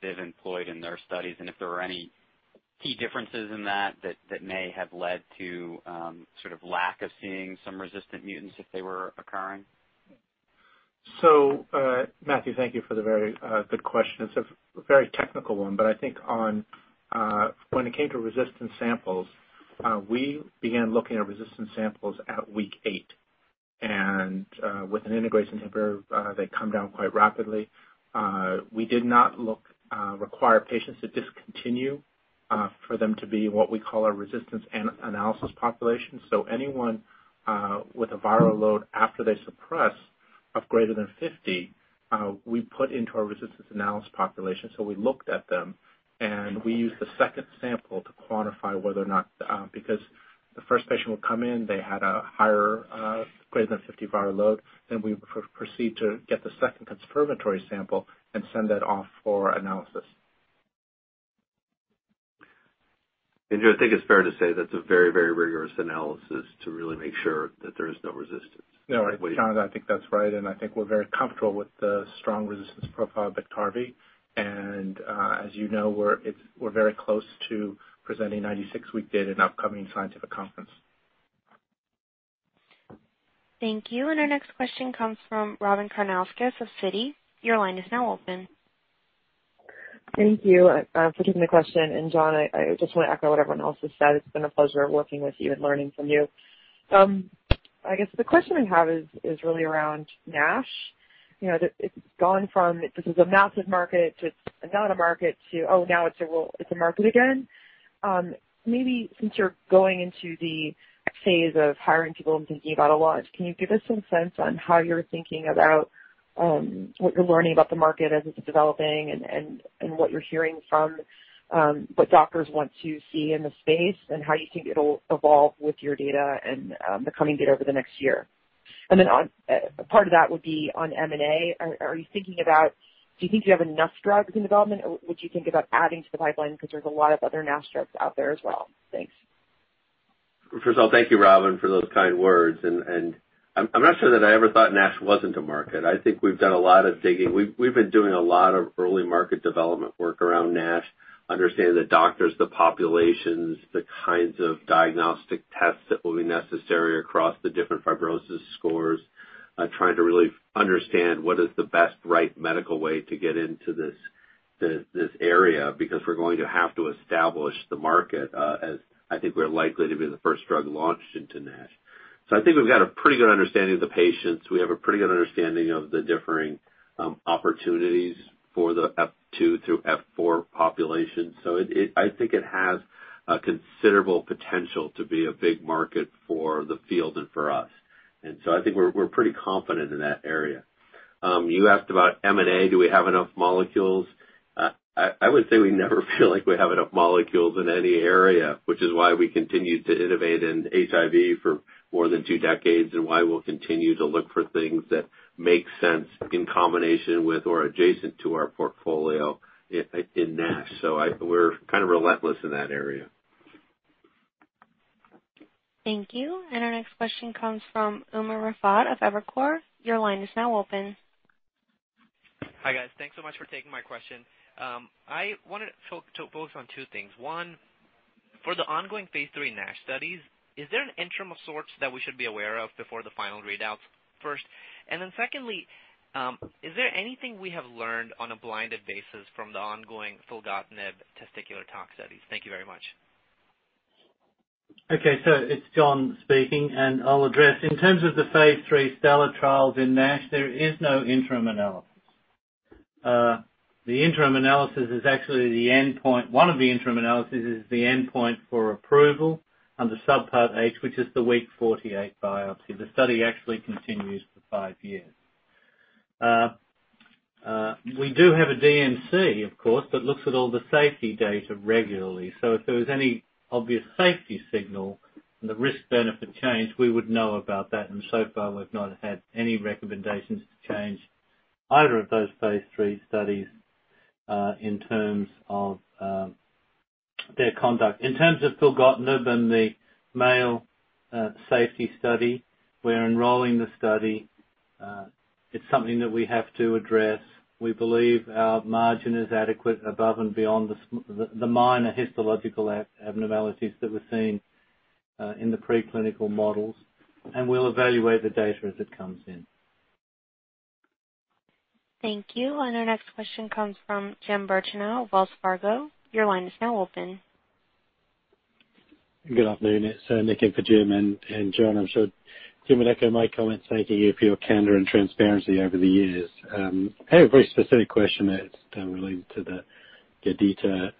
they've employed in their studies, and if there were any key differences in that that may have led to sort of lack of seeing some resistant mutants if they were occurring? Matthew, thank you for the very good question. It's a very technical one, but I think when it came to resistance samples, we began looking at resistance samples at week eight. With an integrase inhibitor, they come down quite rapidly. We did not require patients to discontinue for them to be in what we call our resistance analysis population. Anyone with a viral load after they suppress of greater than 50, we put into our resistance analysis population. We looked at them, and we used the second sample to quantify whether or not. Because the first patient would come in, they had a higher, greater than 50 viral load, then we would proceed to get the second confirmatory sample and send that off for analysis. Andrew, I think it's fair to say that's a very rigorous analysis to really make sure that there is no resistance, right? No, John, I think that's right, and I think we're very comfortable with the strong resistance profile of BIKTARVY. As you know, we're very close to presenting 96-week data at an upcoming scientific conference. Thank you. Our next question comes from Robyn Karnauskas of Citi. Your line is now open. Thank you for taking the question. John, I just want to echo what everyone else has said. It's been a pleasure working with you and learning from you. I guess the question I have is really around NASH. It's gone from this is a massive market to it's not a market to, oh, now it's a market again. Maybe since you're going into the phase of hiring people and thinking about a launch, can you give us some sense on how you're thinking about what you're learning about the market as it's developing and what you're hearing from what doctors want to see in the space, and how you think it'll evolve with your data and the coming data over the next year? Then part of that would be on M&A. Do you think you have enough drugs in development, or would you think about adding to the pipeline because there's a lot of other NASH drugs out there as well? Thanks. First of all, thank you, Robyn, for those kind words. I'm not sure that I ever thought NASH wasn't a market. I think we've done a lot of digging. We've been doing a lot of early market development work around NASH, understanding the doctors, the populations, the kinds of diagnostic tests that will be necessary across the different fibrosis scores, trying to really understand what is the best right medical way to get into this area, because we're going to have to establish the market as I think we're likely to be the first drug launched into NASH. I think we've got a pretty good understanding of the patients. We have a pretty good understanding of the differing opportunities for the F2 through F4 population. I think it has a considerable potential to be a big market for the field and for us. I think we're pretty confident in that area. You asked about M&A, do we have enough molecules? I would say we never feel like we have enough molecules in any area, which is why we continued to innovate in HIV for more than two decades and why we'll continue to look for things that make sense in combination with or adjacent to our portfolio in NASH. We're kind of relentless in that area. Thank you. Our next question comes from Umer Raffat of Evercore. Your line is now open. Hi guys, thanks so much for taking my question. I wanted to focus on two things. One, for the ongoing phase III NASH studies, is there an interim of sorts that we should be aware of before the final readouts first? Secondly, is there anything we have learned on a blinded basis from the ongoing filgotinib testicular tox studies? Thank you very much. Okay. It's John speaking, and I'll address. In terms of the phase III STELLAR trials in NASH, there is no interim analysis. The interim analysis is actually the endpoint. One of the interim analysis is the endpoint for approval under subpart H, which is the week 48 biopsy. The study actually continues for five years. We do have a DMC, of course, that looks at all the safety data regularly. If there was any obvious safety signal and the risk-benefit changed, we would know about that, and so far, we've not had any recommendations to change either of those phase III studies in terms of their conduct. In terms of filgotinib and the male safety study, we're enrolling the study. It's something that we have to address. We believe our margin is adequate above and beyond the minor histological abnormalities that we're seeing in the preclinical models. We'll evaluate the data as it comes in. Thank you. Our next question comes from Jim Birchenough, Wells Fargo. Your line is now open. Good afternoon. It's Nick in for Jim and John. I'm sure Jim would echo my comments, thanking you for your candor and transparency over the years. I have a very specific question that's related to the Gadeta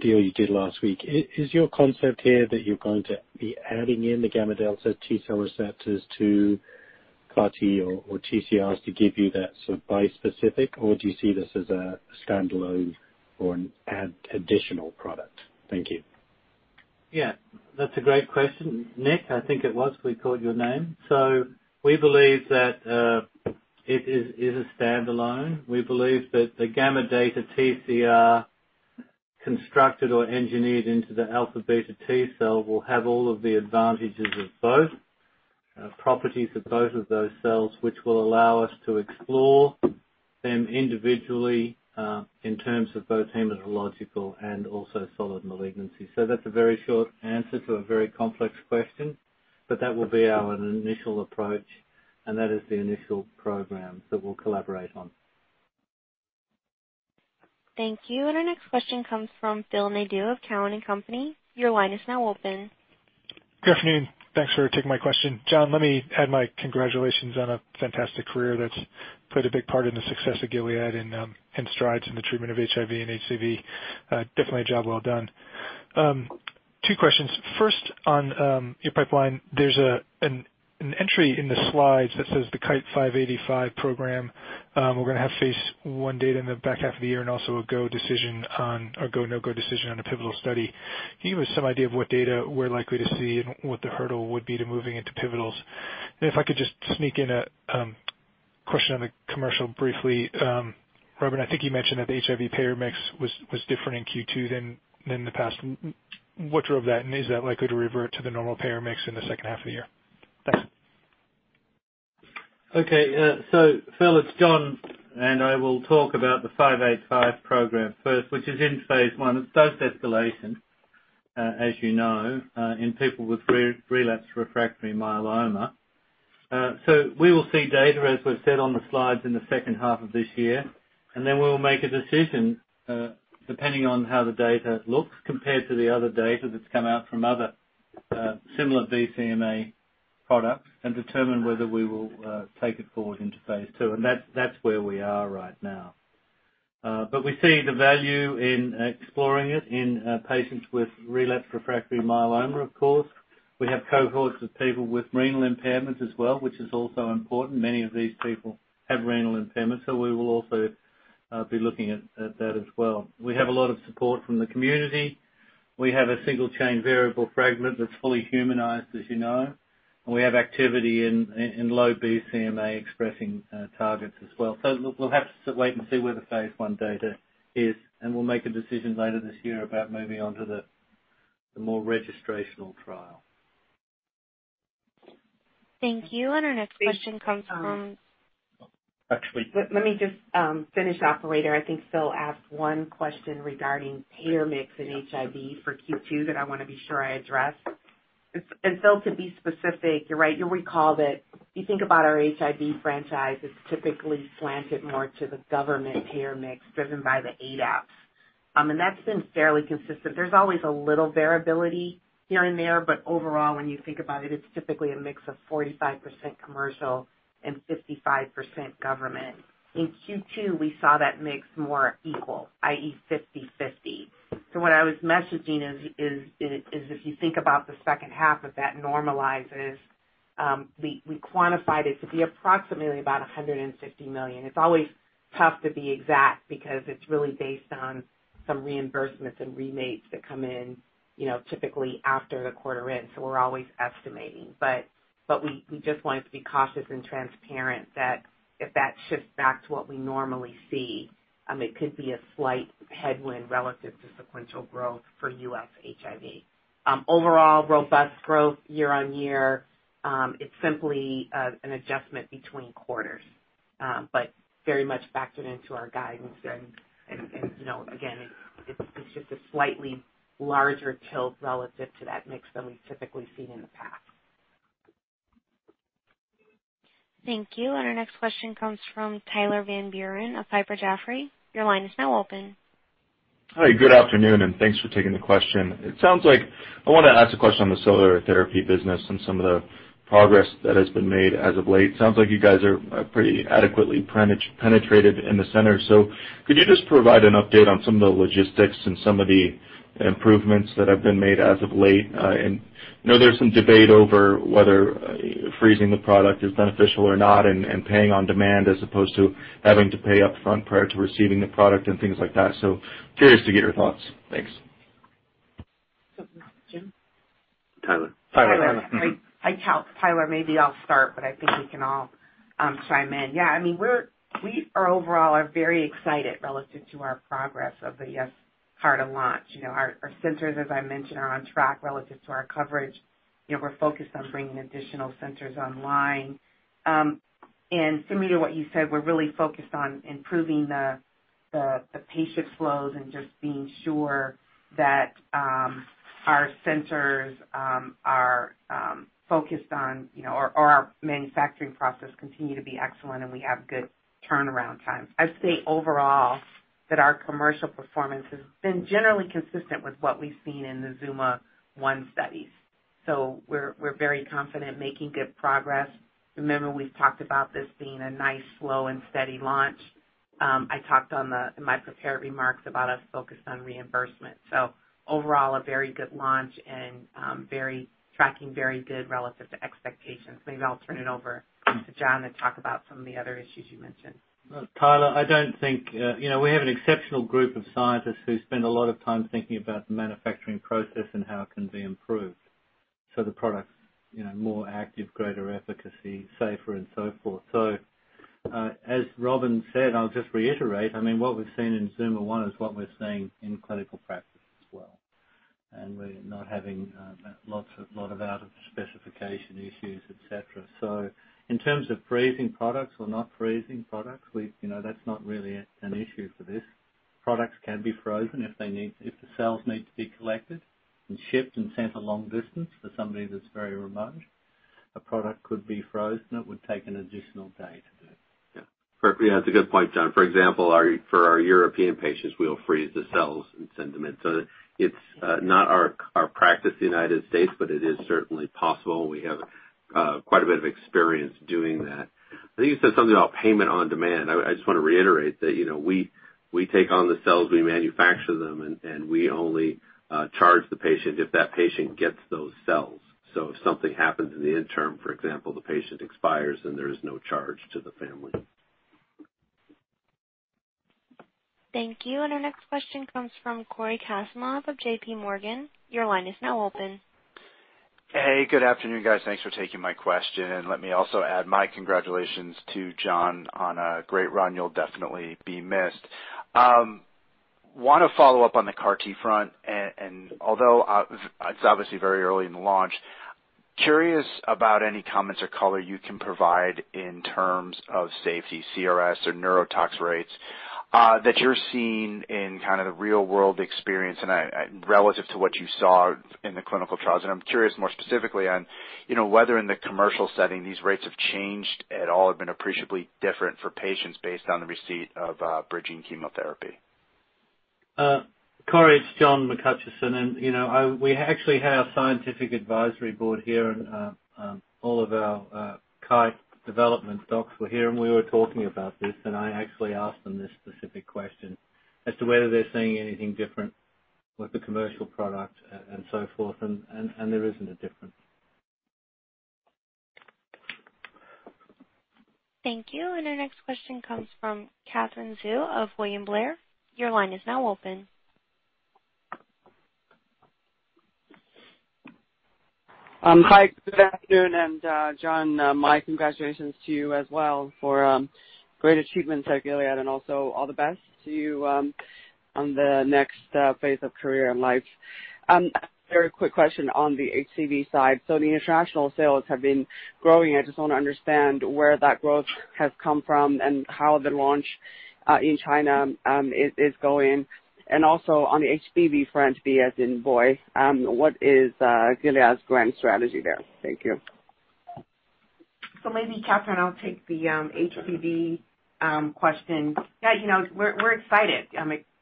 deal you did last week. Is your concept here that you're going to be adding in the Gamma Delta T-cell receptors to CAR T or TCRs to give you that sort of bispecific, or do you see this as a standalone or an additional product? Thank you. Yeah, that's a great question, Nick, I think it was. We caught your name. We believe that it is a standalone. We believe that the Gamma Delta TCR constructed or engineered into the Alpha Beta T-cell will have all of the advantages of both properties of both of those cells, which will allow us to explore them individually in terms of both hematological and also solid malignancy. That's a very short answer to a very complex question, but that will be our initial approach, and that is the initial program that we'll collaborate on. Thank you. Our next question comes from Phil Nadeau of Cowen and Company. Your line is now open. Good afternoon. Thanks for taking my question. John, let me add my congratulations on a fantastic career that's played a big part in the success of Gilead and strides in the treatment of HIV and HCV. Definitely a job well done. Two questions. First, on your pipeline, there's an entry in the slides that says the KITE-585 program. We're going to have phase I data in the back half of the year and also a go/no-go decision on a pivotal study. Can you give us some idea of what data we're likely to see and what the hurdle would be to moving into pivotals? If I could just sneak in a question on the commercial briefly. Robin, I think you mentioned that the HIV payer mix was different in Q2 than in the past. What drove that, and is that likely to revert to the normal payer mix in the second half of the year? Thanks. Okay. Phil, it's John, and I will talk about the 585 program first, which is in phase I. It's dose escalation, as you know, in people with relapsed/refractory myeloma. We will see data, as we've said on the slides, in the second half of this year, and then we will make a decision, depending on how the data looks compared to the other data that's come out from other similar BCMA products, and determine whether we will take it forward into phase II. That's where we are right now. We see the value in exploring it in patients with relapsed/refractory myeloma, of course. We have cohorts of people with renal impairment as well, which is also important. Many of these people have renal impairment, so we will also be looking at that as well. We have a lot of support from the community. We have a single chain variable fragment that's fully humanized, as you know, and we have activity in low BCMA expressing targets as well. We'll have to wait and see where the phase I data is, and we'll make a decision later this year about moving on to the more registrational trial. Thank you. Our next question comes from- Actually- Let me just finish, operator. I think Phil asked one question regarding payer mix and HIV for Q2 that I want to be sure I address. Phil, to be specific, you're right. You'll recall that if you think about our HIV franchise, it's typically slanted more to the government payer mix driven by the ADAPs, and that's been fairly consistent. There's always a little variability here and there, but overall, when you think about it's typically a mix of 45% commercial and 55% government. In Q2, we saw that mix more equal, i.e., 50/50. What I was messaging is, if you think about the second half of that normalizes, we quantified it to be approximately about $150 million. It's always tough to be exact because it's really based on some reimbursements and rebates that come in typically after the quarter ends. We're always estimating, but we just wanted to be cautious and transparent that if that shifts back to what we normally see, it could be a slight headwind relative to sequential growth for U.S. HIV. Overall, robust growth year-over-year. It's simply an adjustment between quarters, but very much factored into our guidance. Again, it's just a slightly larger tilt relative to that mix than we've typically seen in the past. Thank you. Our next question comes from Tyler Van Buren of Piper Jaffray. Your line is now open. Hi, good afternoon, thanks for taking the question. I want to ask a question on the cellular therapy business and some of the progress that has been made as of late. Sounds like you guys are pretty adequately penetrated in the center. Could you just provide an update on some of the logistics and some of the improvements that have been made as of late? I know there's some debate over whether freezing the product is beneficial or not, and paying on demand as opposed to having to pay up front prior to receiving the product and things like that. Curious to get your thoughts. Thanks. Jim? Tyler. Tyler. Tyler. Hi, Tyler. Maybe I'll start, I think we can all chime in. Yeah, we are overall very excited relative to our progress of the YESCARTA launch. Our centers, as I mentioned, are on track relative to our coverage. We're focused on bringing additional centers online. Similar to what you said, we're really focused on improving the patient flows and just being sure that our centers are focused on our manufacturing process continue to be excellent, and we have good turnaround times. I'd say overall that our commercial performance has been generally consistent with what we've seen in the ZUMA-1 studies. We're very confident making good progress. Remember, we've talked about this being a nice slow and steady launch. I talked in my prepared remarks about us focused on reimbursement. Overall, a very good launch and tracking very good relative to expectations. Maybe I'll turn it over to John to talk about some of the other issues you mentioned. Well, Tyler, we have an exceptional group of scientists who spend a lot of time thinking about the manufacturing process and how it can be improved. The product's more active, greater efficacy, safer, and so forth. As Robin Washington said, I'll just reiterate, what we've seen in ZUMA-1 is what we're seeing in clinical practice as well. We're not having a lot of out-of-specification issues, et cetera. In terms of freezing products or not freezing products, that's not really an issue for this. Products can be frozen if the cells need to be collected and shipped and sent a long distance for somebody that's very remote. A product could be frozen, and it would take an additional day to do it. Yeah. That's a good point, John. For example, for our European patients, we'll freeze the cells and send them in. It's not our practice in the United States, but it is certainly possible, and we have quite a bit of experience doing that. I think you said something about payment on demand. I just want to reiterate that we take on the cells, we manufacture them, and we only charge the patient if that patient gets those cells. If something happens in the interim, for example, the patient expires, then there is no charge to the family. Thank you. Our next question comes from Cory Kasimov of JPMorgan. Your line is now open. Hey, good afternoon, guys. Thanks for taking my question. Let me also add my congratulations to John on a great run. You'll definitely be missed. Want to follow up on the CAR T front, and although it's obviously very early in the launch, curious about any comments or color you can provide in terms of safety, CRS, or neurotox rates that you're seeing in kind of the real-world experience and relative to what you saw in the clinical trials. I'm curious more specifically on whether in the commercial setting these rates have changed at all or been appreciably different for patients based on the receipt of bridging chemotherapy. Cory, it's John McHutchison. We actually have a scientific advisory board here. All of our Kite development docs were here. We were talking about this. I actually asked them this specific question as to whether they're seeing anything different with the commercial product and so forth. There isn't a difference. Thank you. Our next question comes from Katherine Xu of William Blair. Your line is now open. Hi, good afternoon. John, my congratulations to you as well for great achievements at Gilead and also all the best to you on the next phase of career and life. A very quick question on the HCV side. The international sales have been growing. I just want to understand where that growth has come from and how the launch in China is going. Also on the HBV front, B as in boy, what is Gilead's grand strategy there? Thank you. Maybe Katherine, I'll take the HBV question. We're excited.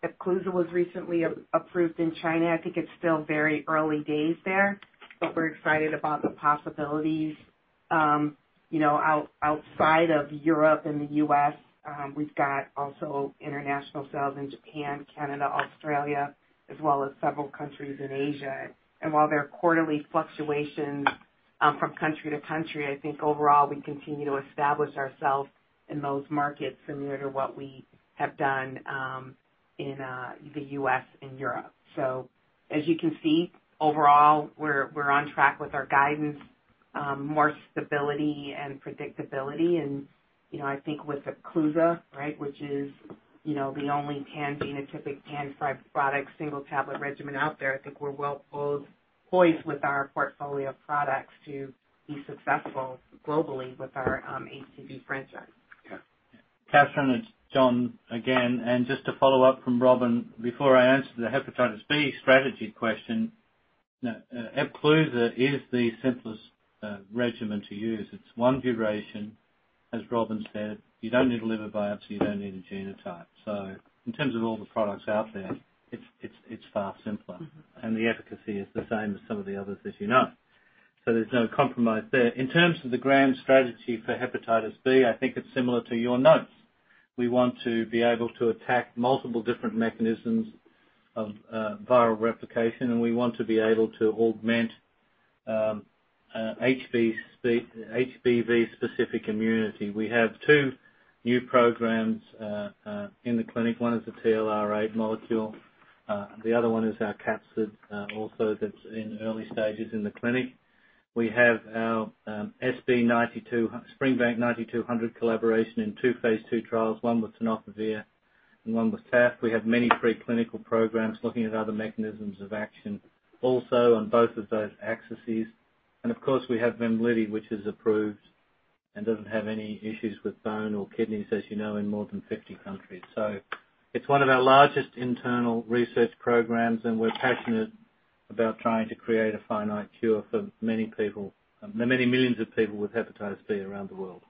Epclusa was recently approved in China. I think it's still very early days there, but we're excited about the possibilities outside of Europe and the U.S. We've got also international sales in Japan, Canada, Australia, as well as several countries in Asia. While there are quarterly fluctuations from country to country, I think overall, we continue to establish ourselves in those markets similar to what we have done in the U.S. and Europe. As you can see, overall, we're on track with our guidance, more stability and predictability and I think with Epclusa, which is the only pan-genotypic, pan-product, single-tablet regimen out there. I think we're well-poised with our portfolio of products to be successful globally with our HCV franchise. Katherine, it's John again. Just to follow up from Robin before I answer the hepatitis B strategy question. Epclusa is the simplest regimen to use. It's one duration. As Robin said, you don't need a liver biopsy, you don't need a genotype. In terms of all the products out there, it's far simpler. The efficacy is the same as some of the others, as you know. There's no compromise there. In terms of the grand strategy for hepatitis B, I think it's similar to your notes. We want to be able to attack multiple different mechanisms of viral replication, and we want to be able to augment HBV specific immunity. We have two new programs in the clinic. One is the TLR8 molecule, the other one is our capsid, also that's in early stages in the clinic. We have our SB 92, Spring Bank 9200 collaboration in two phase II trials, one with tenofovir and one with TAF. We have many preclinical programs looking at other mechanisms of action also on both of those axes. Of course we have VEMLIDY, which is approved and doesn't have any issues with bone or kidneys, as you know, in more than 50 countries. It's one of our largest internal research programs and we're passionate about trying to create a finite cure for many people, the many millions of people with hepatitis B around the world.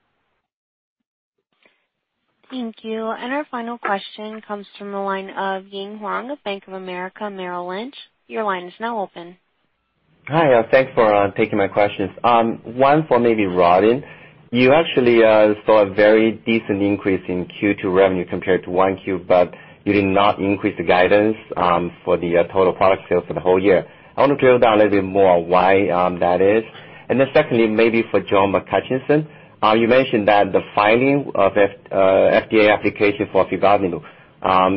Thank you. Our final question comes from the line of Ying Huang of Bank of America Merrill Lynch. Your line is now open. Hi. Thanks for taking my questions. One for maybe Robin. You actually saw a very decent increase in Q2 revenue compared to one Q, but you did not increase the guidance for the total product sales for the whole year. I want to drill down a little bit more why that is. Then secondly, maybe for John McHutchison, you mentioned that the filing of FDA application for filgotinib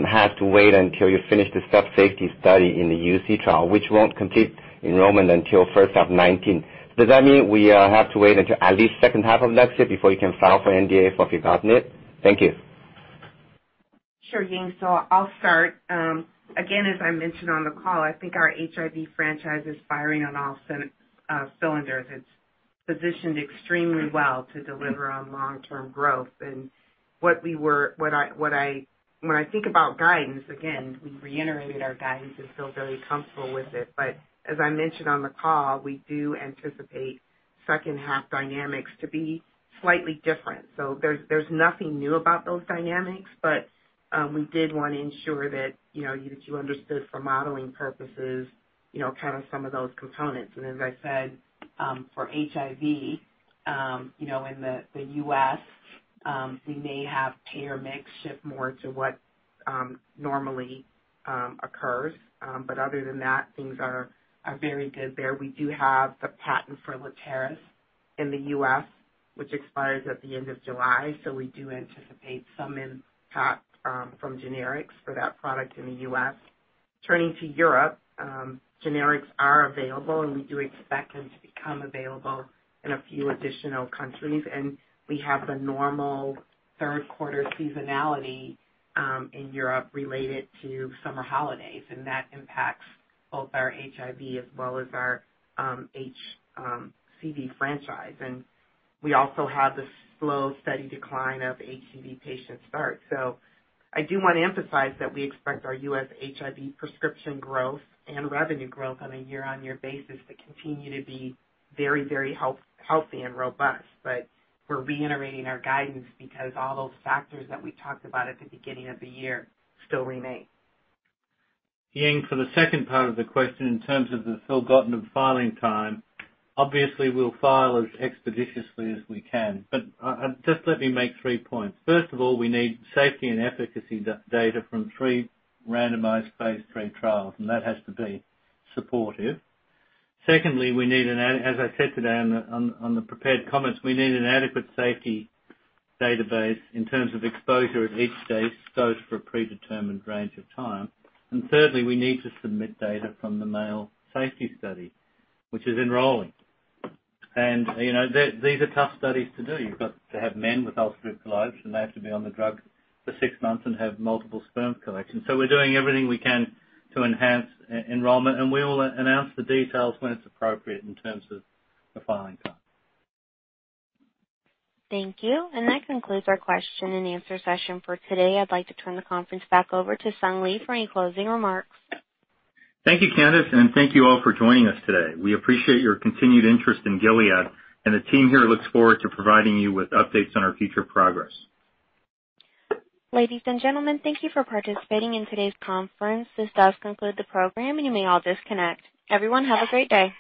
has to wait until you finish the step safety study in the UC trial, which won't complete enrollment until first half 2019. Does that mean we have to wait until at least second half of next year before you can file for NDA for filgotinib? Thank you. Sure, Ying. I'll start. Again, as I mentioned on the call, I think our HIV franchise is firing on all cylinders. It's positioned extremely well to deliver on long-term growth. When I think about guidance, again, we reiterated our guidance and feel very comfortable with it. As I mentioned on the call, we do anticipate second half dynamics to be slightly different. There's nothing new about those dynamics, but we did want to ensure that you understood for modeling purposes some of those components. As I said, for HIV, in the U.S., we may have pay or mix shift more to what normally occurs. Other than that, things are very good there. We do have the patent for Letairis in the U.S., which expires at the end of July. We do anticipate some impact from generics for that product in the U.S. Turning to Europe, generics are available and we do expect them to become available in a few additional countries. We have the normal third quarter seasonality in Europe related to summer holidays and that impacts both our HIV as well as our HCV franchise. We also have the slow steady decline of HCV patient start. I do want to emphasize that we expect our U.S. HIV prescription growth and revenue growth on a year-over-year basis to continue to be very healthy and robust. We're reiterating our guidance because all those factors that we talked about at the beginning of the year still remain. Ying, for the second part of the question in terms of the filgotinib filing time, obviously we'll file as expeditiously as we can. Just let me make three points. First of all, we need safety and efficacy data from three randomized phase III trials and that has to be supportive. Secondly, as I said today on the prepared comments, we need an adequate safety database in terms of exposure at each dose for a predetermined range of time. Thirdly, we need to submit data from the male safety study, which is enrolling. These are tough studies to do. You've got to have men with oligozoospermia and they have to be on the drug for six months and have multiple sperm collections. We're doing everything we can to enhance enrollment and we will announce the details when it's appropriate in terms of the filing time. Thank you. That concludes our question and answer session for today. I'd like to turn the conference back over to Sung Lee for any closing remarks. Thank you, Candace and thank you all for joining us today. We appreciate your continued interest in Gilead and the team here looks forward to providing you with updates on our future progress. Ladies and gentlemen, thank you for participating in today's conference. This does conclude the program and you may all disconnect. Everyone have a great day.